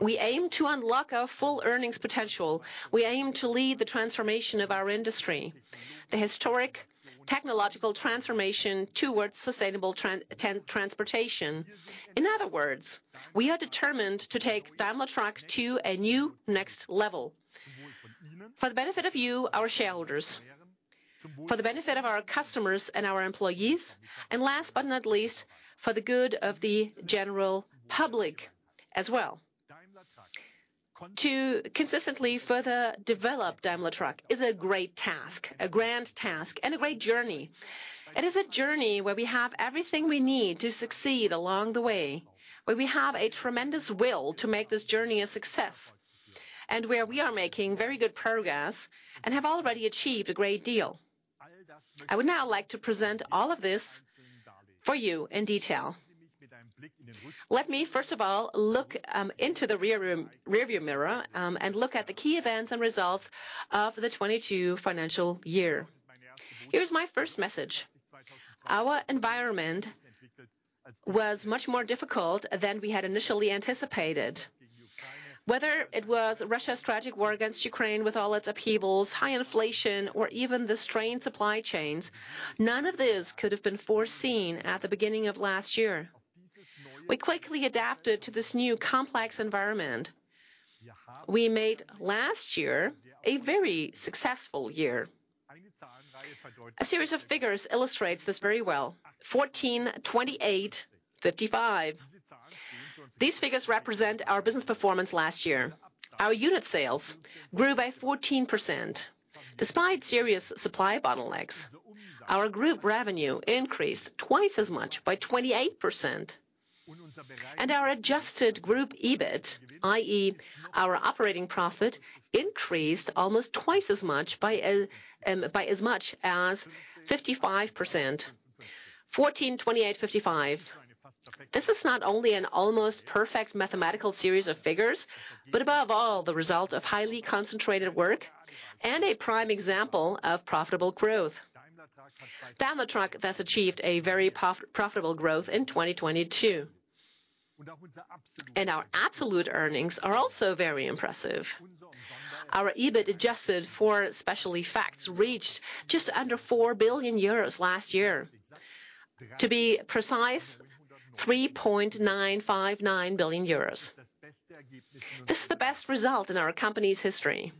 We aim to unlock our full earnings potential. We aim to lead the transformation of our industry, the historic technological transformation towards sustainable transportation. In other words, we are determined to take Daimler Truck to a new next level. For the benefit of you, our shareholders, for the benefit of our customers and our employees, and last but not least, for the good of the general public as well. To consistently further develop Daimler Truck is a great task, a grand task, and a great journey. It is a journey where we have everything we need to succeed along the way, where we have a tremendous will to make this journey a success, and where we are making very good progress, and have already achieved a great deal. I would now like to present all of this for you in detail. Let me first of all look into the rearview mirror and look at the key events and results of the 2022 financial year. Here's my first message: Our environment was much more difficult than we had initially anticipated. Whether it was Russia's tragic war against Ukraine, with all its upheavals, high inflation, or even the strained supply chains, none of this could have been foreseen at the beginning of last year. We quickly adapted to this new, complex environment. We made last year a very successful year. A series of figures illustrates this very well: 14, 28, 55. These figures represent our business performance last year. Our unit sales grew by 14%. Despite serious supply bottlenecks, our group revenue increased twice as much, by 28%. Our adjusted group EBIT, i.e., our operating profit, increased almost twice as much by 55%. 14, 28, 55. This is not only an almost perfect mathematical series of figures, but above all, the result of highly concentrated work and a prime example of profitable growth. Daimler Truck thus achieved a very profitable growth in 2022. Our absolute earnings are also very impressive. Our EBIT, adjusted for special effects, reached just under 4 billion euros last year. To be precise, 3.959 billion euros. This is the best result in our company's history.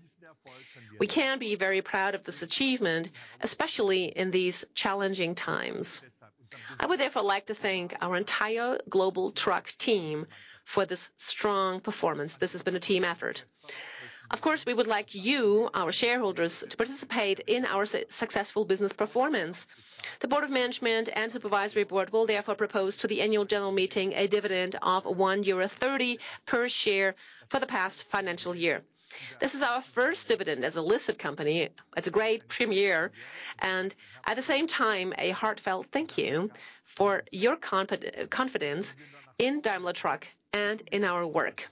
We can be very proud of this achievement, especially in these challenging times. I would therefore like to thank our entire global truck team for this strong performance. This has been a team effort. Of course, we would like you, our shareholders, to participate in our successful business performance. The Board of Management and Supervisory Board will propose to the Annual General Meeting, a dividend of 1.30 euro per share for the past financial year. This is our first dividend as a listed company. It's a great premiere, and at the same time, a heartfelt thank you for your confidence in Daimler Truck and in our work.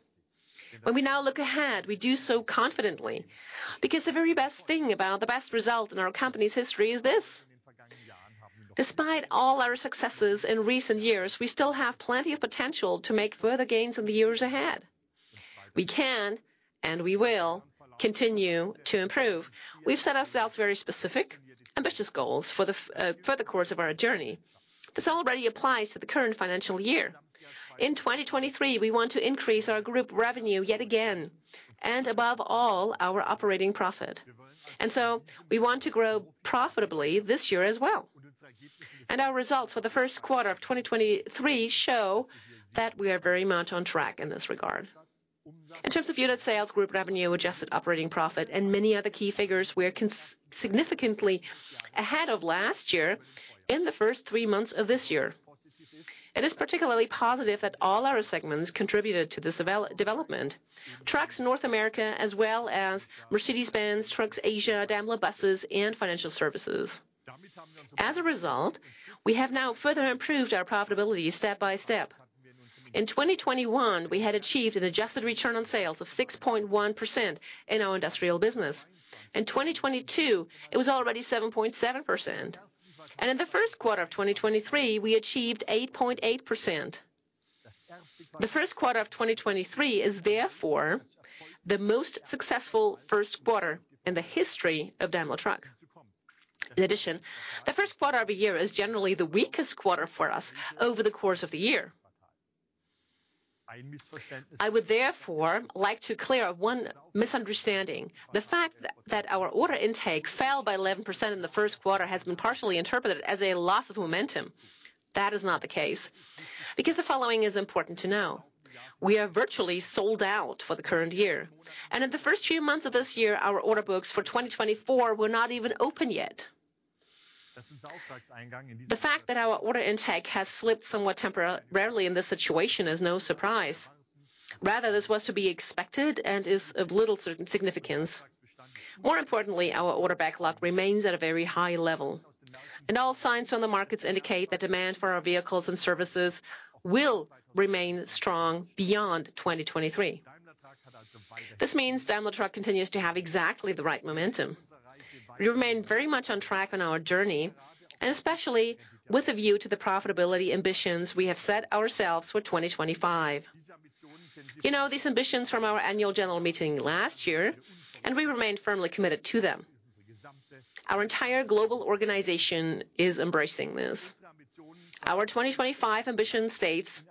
When we now look ahead, we do so confidently, because the very best thing about the best result in our company's history is this: Despite all our successes in recent years, we still have plenty of potential to make further gains in the years ahead. We can, and we will, continue to improve. We've set ourselves very specific, ambitious goals for the course of our journey. This already applies to the current financial year. In 2023, we want to increase our group revenue yet again, above all, our operating profit. So we want to grow profitably this year as well. Our results for the Q1 of 2023 show that we are very much on track in this regard. In terms of unit sales, group revenue, adjusted operating profit, and many other key figures, we are significantly ahead of last year in the first three months of this year. It is particularly positive that all our segments contributed to this development. Trucks North America, as well as Mercedes-Benz, Trucks Asia, Daimler Buses, and Financial Services. As a result, we have now further improved our profitability step by step. In 2021, we had achieved an adjusted return on sales of 6.1% in our industrial business. In 2022, it was already 7.7%, and in the Q1 of 2023, we achieved 8.8%. The Q1 of 2023 is therefore the most successful first quarter in the history of Daimler Truck. In addition, the Q1 of a year is generally the weakest quarter for us over the course of the year. I would therefore like to clear up one misunderstanding. The fact that our order intake fell by 11% in the Q1, has been partially interpreted as a loss of momentum. That is not the case, because the following is important to know: We are virtually sold out for the current year, and in the first few months of this year, our order books for 2024 were not even open yet. The fact that our order intake has slipped somewhat rarely in this situation is no surprise. Rather, this was to be expected and is of little significance. More importantly, our order backlog remains at a very high level, and all signs from the markets indicate that demand for our vehicles and services will remain strong beyond 2023. This means Daimler Truck continues to have exactly the right momentum. We remain very much on track on our journey, and especially with a view to the profitability ambitions we have set ourselves for 2025. You know, these ambitions from our Annual General Meeting last year, and we remain firmly committed to them. Our entire global organization is embracing this. Our 2025 ambition states,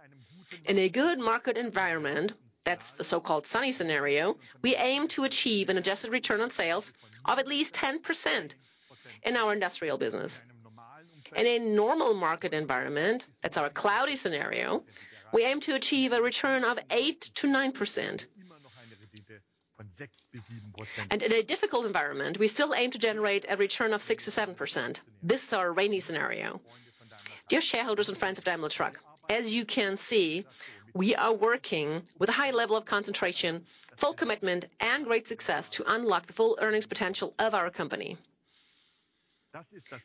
"In a good market environment," that's the so-called sunny scenario, "we aim to achieve an adjusted return on sales of at least 10% in our industrial business." In a normal market environment, that's our cloudy scenario; we aim to achieve a return of 8%-9%. In a difficult environment, we still aim to generate a return of 6%-7%. This is our rainy scenario. Dear shareholders and friends of Daimler Truck, as you can see, we are working with a high level of concentration, full commitment, and great success to unlock the full earnings potential of our company.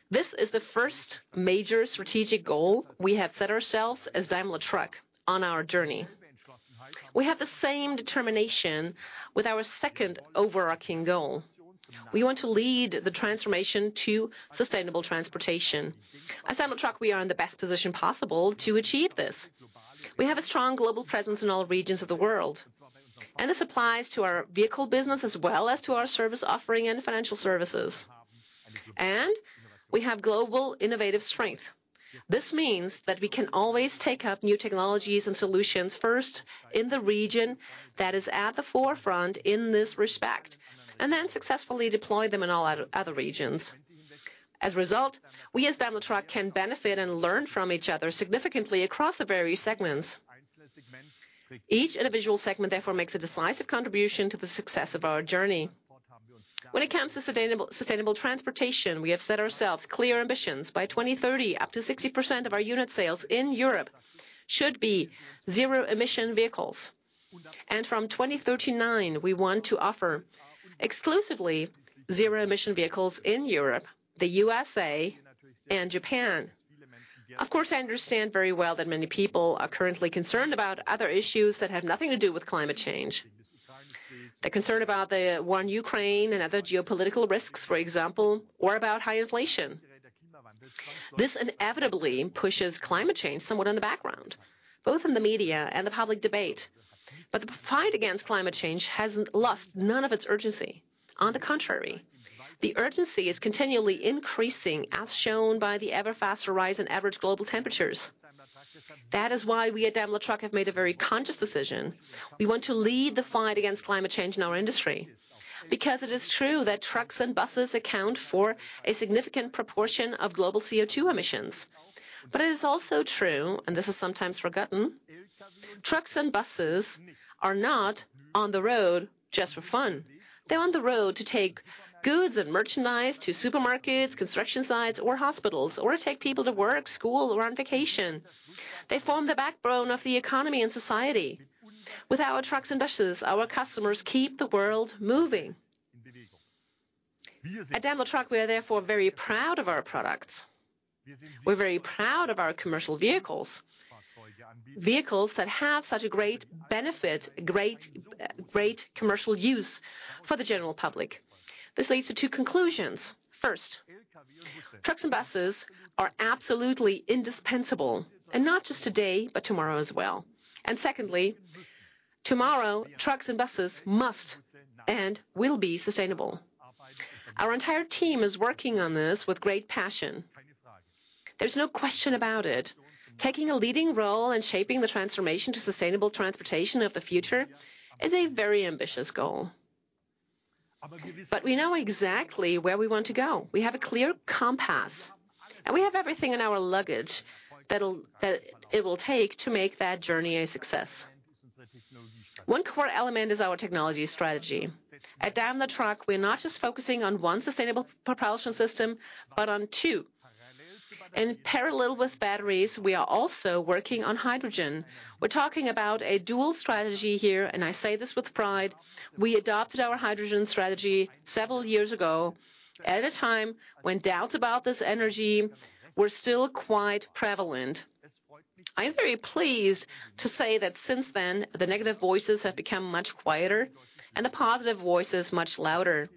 This is the 1st major strategic goal we have set ourselves as Daimler Truck on our journey. We have the same determination with our 2nd overarching goal. We want to lead the transformation to sustainable transportation. As Daimler Truck, we are in the best position possible to achieve this. This applies to our vehicle business, as well as to our service offering and Financial Services. We have global innovative strength. This means that we can always take up new technologies and solutions first in the region that is at the forefront in this respect, and then successfully deploy them in all other regions. As a result, we as Daimler Truck can benefit and learn from each other significantly across the various segments. Each individual segment, therefore, makes a decisive contribution to the success of our journey. When it comes to sustainable transportation, we have set ourselves clear ambitions. By 2030, up to 60% of our unit sales in Europe should be zero-emission vehicles. From 2039, we want to offer exclusively zero-emission vehicles in Europe, the USA, and Japan. Of course, I understand very well that many people are currently concerned about other issues that have nothing to do with climate change. They're concerned about the war in Ukraine and other geopolitical risks, for example, or about high inflation. This inevitably pushes climate change somewhat in the background, both in the media and the public debate. The fight against climate change hasn't lost none of its urgency. On the contrary, the urgency is continually increasing, as shown by the ever faster rise in average global temperatures. That is why we at Daimler Truck have made a very conscious decision. We want to lead the fight against climate change in our industry, because it is true that trucks and buses account for a significant proportion of global CO2 emissions. It is also true, and this is sometimes forgotten, trucks and buses are not on the road just for fun. They're on the road to take goods and merchandise to supermarkets, construction sites, or hospitals, or to take people to work, school, or on vacation. They form the backbone of the economy and society. With our trucks and buses, our customers keep the world moving. At Daimler Truck, we are therefore very proud of our products. We're very proud of our commercial vehicles that have such a great benefit, great commercial use for the general public. This leads to two conclusions. 1st, trucks and buses are absolutely indispensable, and not just today, but tomorrow as well. 2ndly, tomorrow, trucks and buses must and will be sustainable. Our entire team is working on this with great passion. There's no question about it. Taking a leading role in shaping the transformation to sustainable transportation of the future is a very ambitious goal. We know exactly where we want to go. We have a clear compass, and we have everything in our luggage that it will take to make that journey a success. One core element is our technology strategy. At Daimler Truck, we're not just focusing on one sustainable propulsion system, but on two. In parallel with batteries, we are also working on hydrogen. We're talking about a dual strategy here, and I say this with pride: We adopted our hydrogen strategy several years ago, at a time when doubts about this energy were still quite prevalent. I'm very pleased to say that since then, the negative voices have become much quieter, and the positive voices much louder.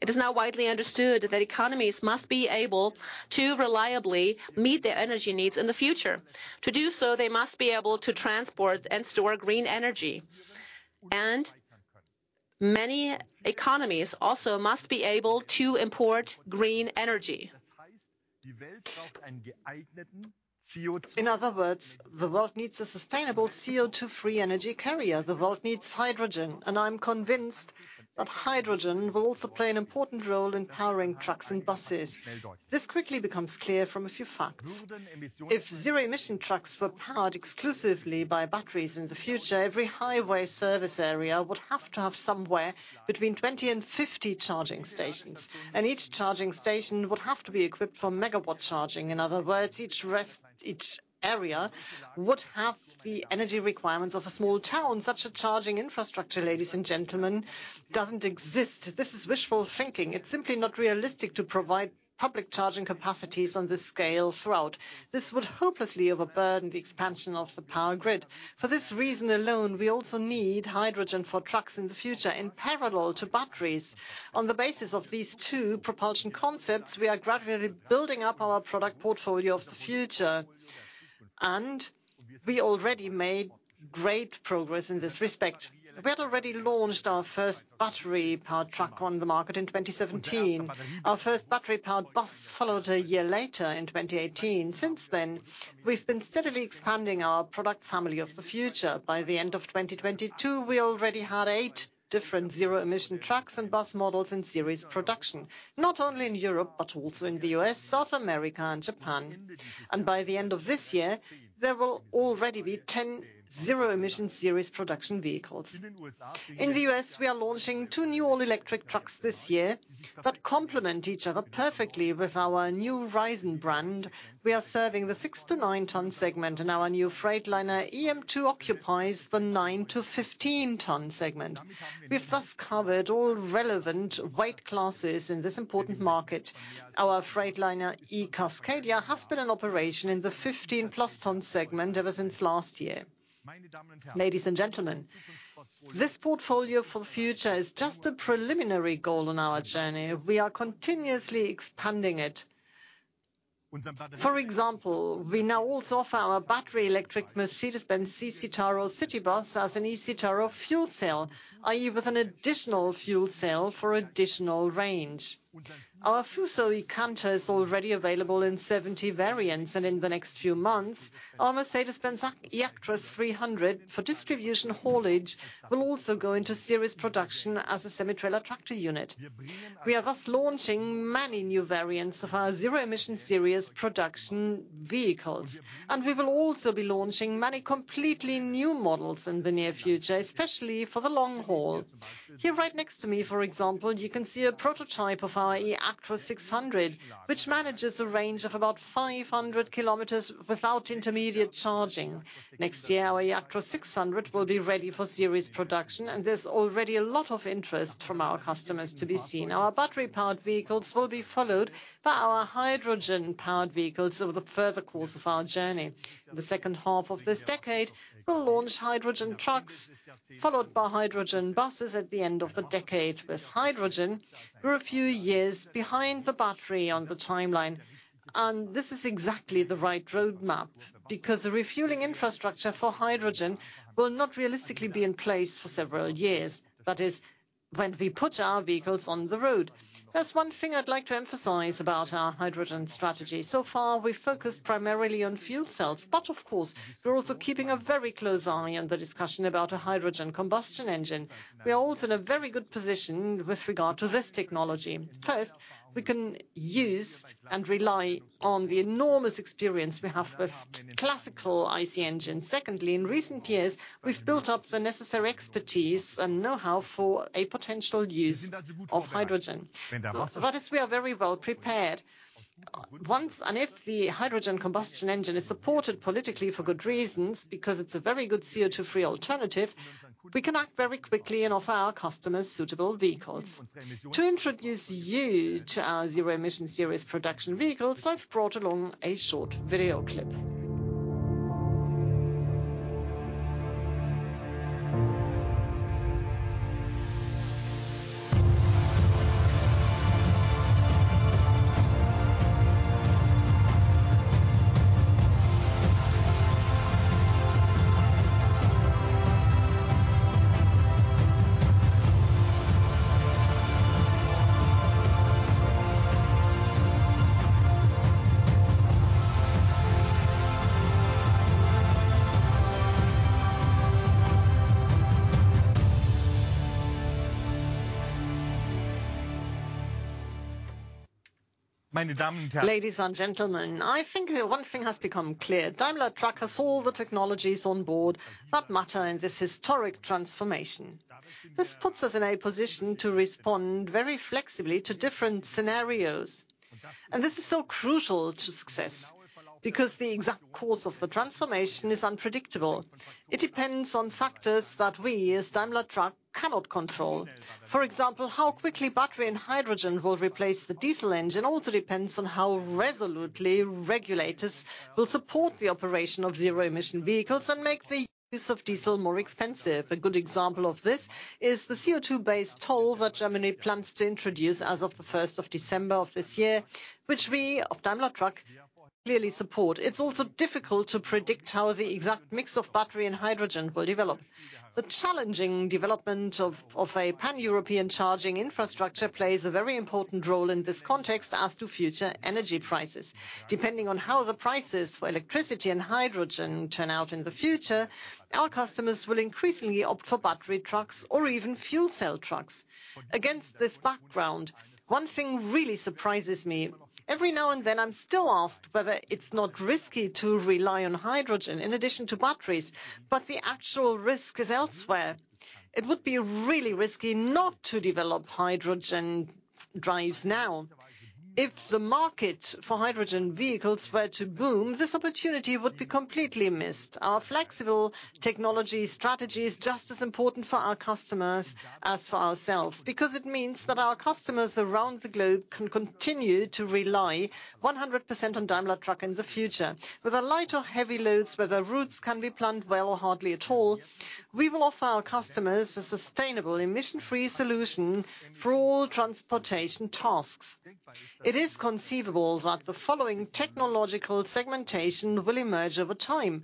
It is now widely understood that economies must be able to reliably meet their energy needs in the future. To do so, they must be able to transport and store green energy. Many economies also must be able to import green energy. In other words, the world needs a sustainable CO2-free energy carrier. The world needs hydrogen. I'm convinced that hydrogen will also play an important role in powering trucks and buses. This quickly becomes clear from a few facts. If zero-emission trucks were powered exclusively by batteries in the future, every highway service area would have to have somewhere between 20 and 50 charging stations. Each charging station would have to be equipped for megawatt charging. In other words, each rest, each area, would have the energy requirements of a small town. Such a charging infrastructure, ladies and gentlemen, doesn't exist., is wishful thinking. It's simply not realistic to provide public charging capacities on this scale throughout. This would hopelessly overburden the expansion of the power grid. For this reason alone, we also need hydrogen for trucks in the future in parallel to batteries. On the basis of these two propulsion concepts, we are gradually building up our product portfolio for the future, and we already made great progress in this respect. We had already launched our first battery-powered truck on the market in 2017. Our first battery-powered bus followed a year later in 2018. Since then. We've been steadily expanding our product family of the future. By the end of 2022, we already had eight different zero-emission trucks and bus models in series production, not only in Europe, but also in the U.S., South America, and Japan. By the end of this year, there will already be 10 zero-emission series production vehicles. In the U.S., we are launching two new all-electric trucks this year that complement each other perfectly with our new RIZON brand. We are serving the six to nine ton segment, and our new Freightliner eM2 occupies the nine to 15 ton segment. We've thus covered all relevant weight classes in this important market. Our Freightliner eCascadia has been in operation in the 15 plus ton segment ever since last year. Ladies and gentlemen, this portfolio for the future is just a preliminary goal on our journey. We are continuously expanding it. For example, we now also offer our battery electric Mercedes-Benz Citaro city bus as an eCitaro fuel cell, i.e., with an additional fuel cell for additional range. Our FUSO eCanter is already available in 70 variants, and in the next few months, our Mercedes-Benz eActros 300 for distribution haulage will also go into series production as a semi-trailer tractor unit. We are thus launching many new variants of our zero emission series production vehicles, and we will also be launching many completely new models in the near future, especially for the long haul. Here, right next to me, for example, you can see a prototype of our eActros 600, which manages a range of about 500 km without intermediate charging. Next year, our eActros 600 will be ready for series production, and there's already a lot of interest from our customers to be seen. Our battery-powered vehicles will be followed by our hydrogen-powered vehicles over the further course of our journey. In the second half of this decade, we'll launch hydrogen trucks, followed by hydrogen buses at the end of the decade. With hydrogen, we're a few years behind the battery on the timeline. This is exactly the right roadmap, because the refueling infrastructure for hydrogen will not realistically be in place for several years, that is when we put our vehicles on the road. There's one thing I'd like to emphasize about our hydrogen strategy. So far, we've focused primarily on fuel cells. Of course, we're also keeping a very close eye on the discussion about a hydrogen combustion engine. We are also in a very good position with regard to this technology. First, we can use and rely on the enormous experience we have with classical IC engine. Secondly, in recent years, we've built up the necessary expertise and know-how for a potential use of hydrogen. That is, we are very well prepared. Once, and if the hydrogen combustion engine is supported politically for good reasons, because it's a very good CO2-free alternative, we can act very quickly and offer our customers suitable vehicles. To introduce you to our zero-emission series production vehicles, I've brought along a short video clip. Ladies and gentlemen, I think that one thing has become clear: Daimler Truck has all the technologies on board that matter in this historic transformation. This puts us in a position to respond very flexibly to different scenarios, and this is so crucial to success, because the exact course of the transformation is unpredictable. It depends on factors that we, as Daimler Truck, cannot control. For example, how quickly battery and hydrogen will replace the diesel engine also depends on how resolutely regulators will support the operation of zero-emission vehicles and make the use of diesel more expensive. A good example of this is the CO2-based toll that Germany plans to introduce as of the 1st of December of this year, which we, of Daimler Truck, clearly support. It's also difficult to predict how the exact mix of battery and hydrogen will develop. The challenging development of a pan-European charging infrastructure plays a very important role in this context, as to future energy prices. Depending on how the prices for electricity and hydrogen turn out in the future, our customers will increasingly opt for battery trucks or even fuel cell trucks. Against this background, one thing really surprises me. Every now and then, I'm still asked whether it's not risky to rely on hydrogen in addition to batteries, but the actual risk is elsewhere. It would be really risky not to develop hydrogen drives now. If the market for hydrogen vehicles were to boom, this opportunity would be completely missed. Our flexible technology strategy is just as important for our customers as for ourselves, because it means that our customers around the globe can continue to rely 100% on Daimler Truck in the future. Whether light or heavy loads, whether routes can be planned well or hardly at all, we will offer our customers a sustainable, emission-free solution for all transportation tasks. It is conceivable that the following technological segmentation will emerge over time: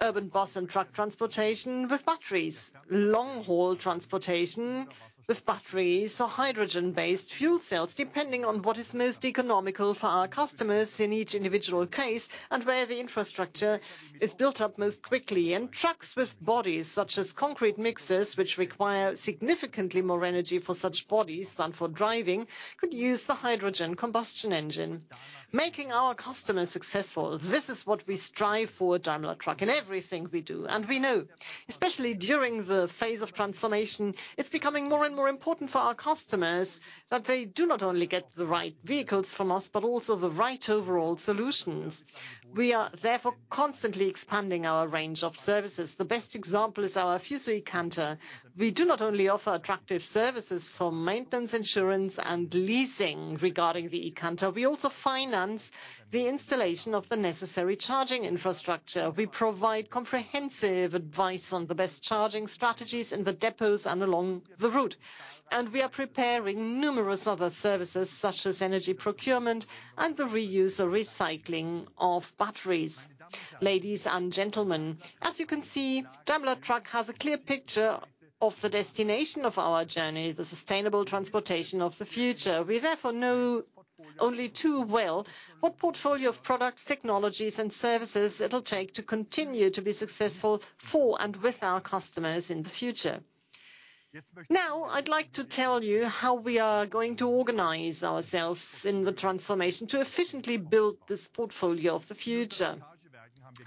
urban bus and truck transportation with batteries, long-haul transportation with batteries or hydrogen-based fuel cells, depending on what is most economical for our customers in each individual case and where the infrastructure is built up most quickly. Trucks with bodies, such as concrete mixers, which require significantly more energy for such bodies than for driving, could use the hydrogen combustion engine. Making our customers successful, this is what we strive for at Daimler Truck in everything we do. We know, especially during the phase of transformation, it's becoming more and more important for our customers that they do not only get the right vehicles from us, but also the right overall solutions. We are therefore constantly expanding our range of services. The best example is our Fuso eCanter. We do not only offer attractive services for maintenance, insurance, and leasing regarding the eCanter, we also finance the installation of the necessary charging infrastructure. We provide comprehensive advice on the best charging strategies in the depots and along the route. We are preparing numerous other services, such as energy procurement and the reuse or recycling of batteries. Ladies and gentlemen, as you can see, Daimler Truck has a clear picture of the destination of our journey, the sustainable transportation of the future. We therefore know only too well what portfolio of products, technologies, and services it'll take to continue to be successful for and with our customers in the future. Now, I'd like to tell you how we are going to organize ourselves in the transformation to efficiently build this portfolio of the future.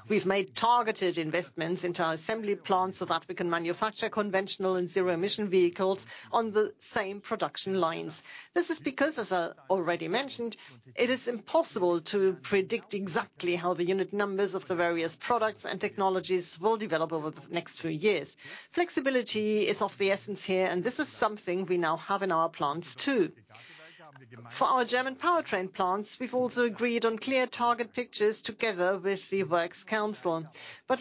We've made targeted investments into our assembly plants so that we can manufacture conventional and zero-emission vehicles on the same production lines. This is because, as I already mentioned, it is impossible to predict exactly how the unit numbers of the various products and technologies will develop over the next few years. Flexibility is of the essence here, and this is something we now have in our plants, too. For our German powertrain plants, we've also agreed on clear target pictures together with the works council.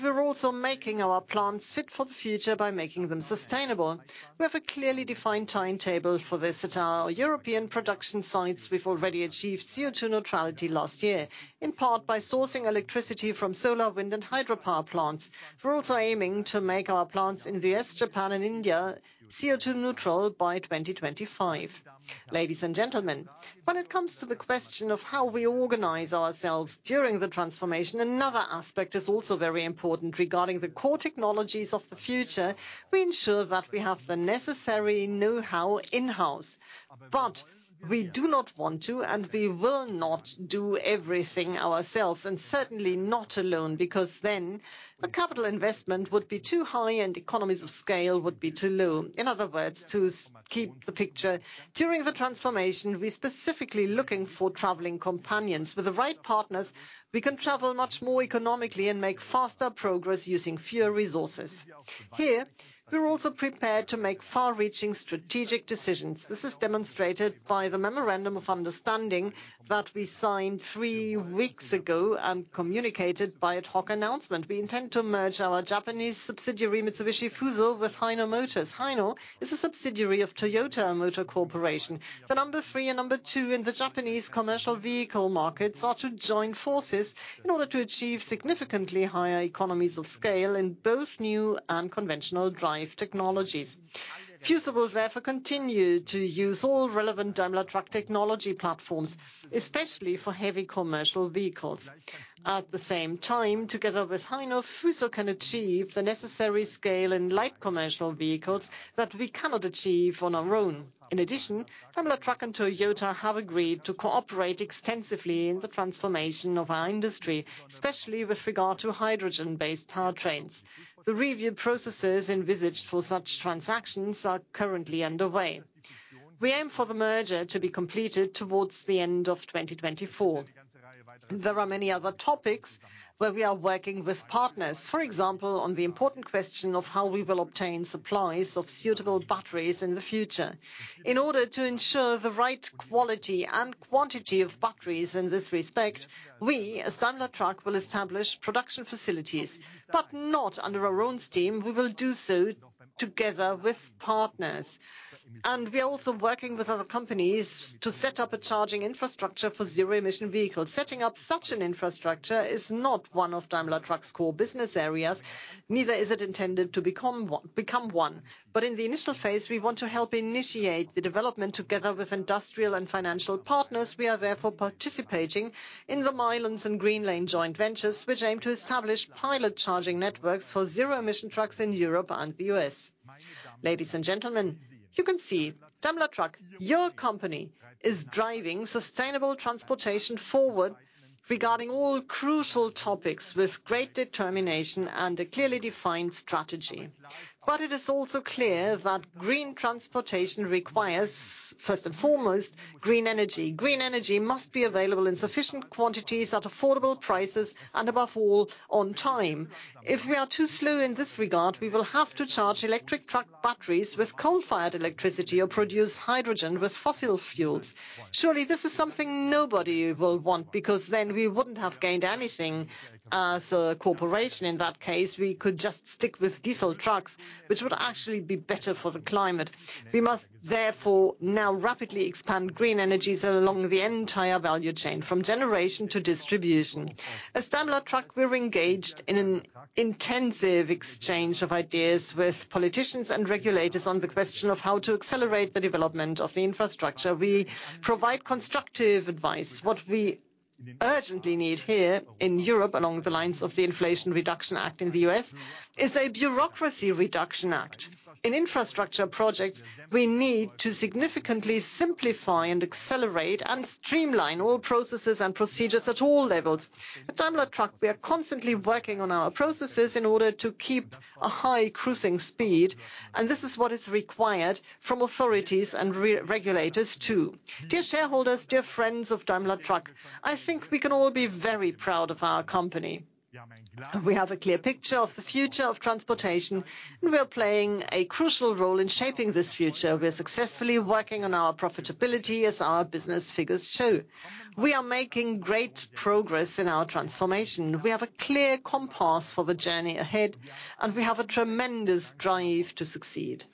We're also making our plants fit for the future by making them sustainable. We have a clearly defined timetable for this. At our European production sites, we've already achieved CO2 neutrality last year, in part by sourcing electricity from solar, wind, and hydropower plants. We're also aiming to make our plants in the U.S., Japan, and India CO2 neutral by 2025. Ladies and gentlemen, when it comes to the question of how we organize ourselves during the transformation, another aspect is also very important. Regarding the core technologies of the future, we ensure that we have the necessary know-how in-house. We do not want to, and we will not, do everything ourselves, and certainly not alone, because then the capital investment would be too high and economies of scale would be too low. In other words, to keep the picture, during the transformation, we're specifically looking for traveling companions. With the right partners, we can travel much more economically and make faster progress using fewer resources. Here, we're also prepared to make far-reaching strategic decisions. This is demonstrated by the memorandum of understanding that we signed three weeks ago and communicated by ad hoc announcement. We intend to merge our Japanese subsidiary, Mitsubishi Fuso, with Hino Motors. Hino is a subsidiary of Toyota Motor Corporation. The number 3 and number 2 in the Japanese commercial vehicle markets are to join forces in order to achieve significantly higher economies of scale in both new and conventional drive technologies. FUSO will therefore continue to use all relevant Daimler Truck technology platforms, especially for heavy commercial vehicles. At the same time, together with Hino, FUSO can achieve the necessary scale in light commercial vehicles that we cannot achieve on our own. In addition, Daimler Truck and Toyota have agreed to cooperate extensively in the transformation of our industry, especially with regard to hydrogen-based powertrains. The review processes envisaged for such transactions are currently underway. We aim for the merger to be completed towards the end of 2024. There are many other topics where we are working with partners. For example, on the important question of how we will obtain supplies of suitable batteries in the future. In order to ensure the right quality and quantity of batteries in this respect, we, as Daimler Truck, will establish production facilities, but not under our own steam. We will do so together with partners. We are also working with other companies to set up a charging infrastructure for zero-emission vehicles. Setting up such an infrastructure is not one of Daimler Truck's core business areas, neither is it intended to become one. In the initial phase, we want to help initiate the development together with industrial and financial partners. We are therefore participating in the Milence and Greenlane joint ventures, which aim to establish pilot charging networks for zero-emission trucks in Europe and the U.S. Ladies and gentlemen, you can see, Daimler Truck, your company, is driving sustainable transportation forward regarding all crucial topics with great determination and a clearly defined strategy. It is also clear that green transportation requires first and foremost, green energy. Green energy must be available in sufficient quantities, at affordable prices, and above all, on time. If we are too slow in this regard, we will have to charge electric truck batteries with coal-fired electricity, or produce hydrogen with fossil fuels. Surely, this is something nobody will want, because then we wouldn't have gained anything as a corporation. In that case, we could just stick with diesel trucks, which would actually be better for the climate. We must therefore now rapidly expand green energies along the entire value chain, from generation to distribution. As Daimler Truck, we're engaged in an intensive exchange of ideas with politicians and regulators on the question of how to accelerate the development of the infrastructure. We provide constructive advice. What we urgently need here in Europe, along the lines of the Inflation Reduction Act in the U.S., is a Bureaucracy Reduction Act. In infrastructure projects, we need to significantly simplify, accelerate, and streamline all processes and procedures at all levels. At Daimler Truck, we are constantly working on our processes in order to keep a high cruising speed, and this is what is required from authorities and regulators, too. Dear shareholders, dear friends of Daimler Truck, I think we can all be very proud of our company. We have a clear picture of the future of transportation, and we are playing a crucial role in shaping this future. We are successfully working on our profitability, as our business figures show. We are making great progress in our transformation. We have a clear compass for the journey ahead, and we have a tremendous drive to succeed.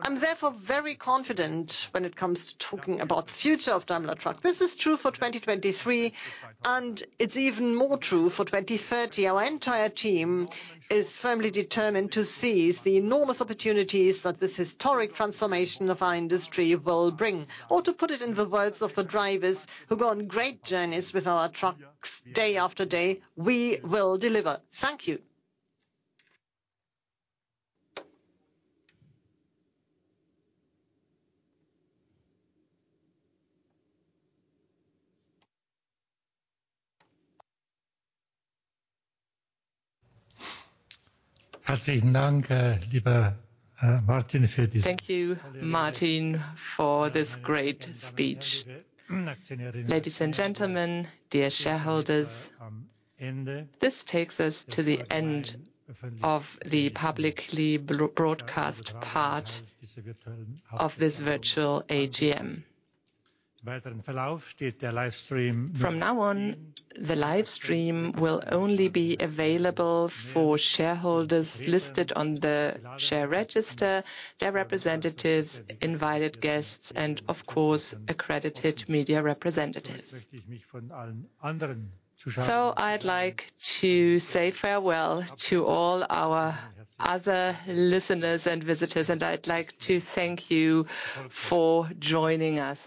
I'm therefore very confident when it comes to talking about the future of Daimler Truck. This is true for 2023, and it's even more true for 2030. Our entire team is firmly determined to seize the enormous opportunities that this historic transformation of our industry will bring. To put it in the words of the drivers who go on great journeys with our trucks day after day, "We will deliver." Thank you. Thank you, Martin, for this great speech. Ladies and gentlemen, dear shareholders, this takes us to the end of the publicly broadcast part of this virtual AGM. From now on, the live stream will only be available for shareholders listed on the share register, their representatives, invited guests, and of course, accredited media representatives. I'd like to say farewell to all our other listeners and visitors, and I'd like to thank you for joining us.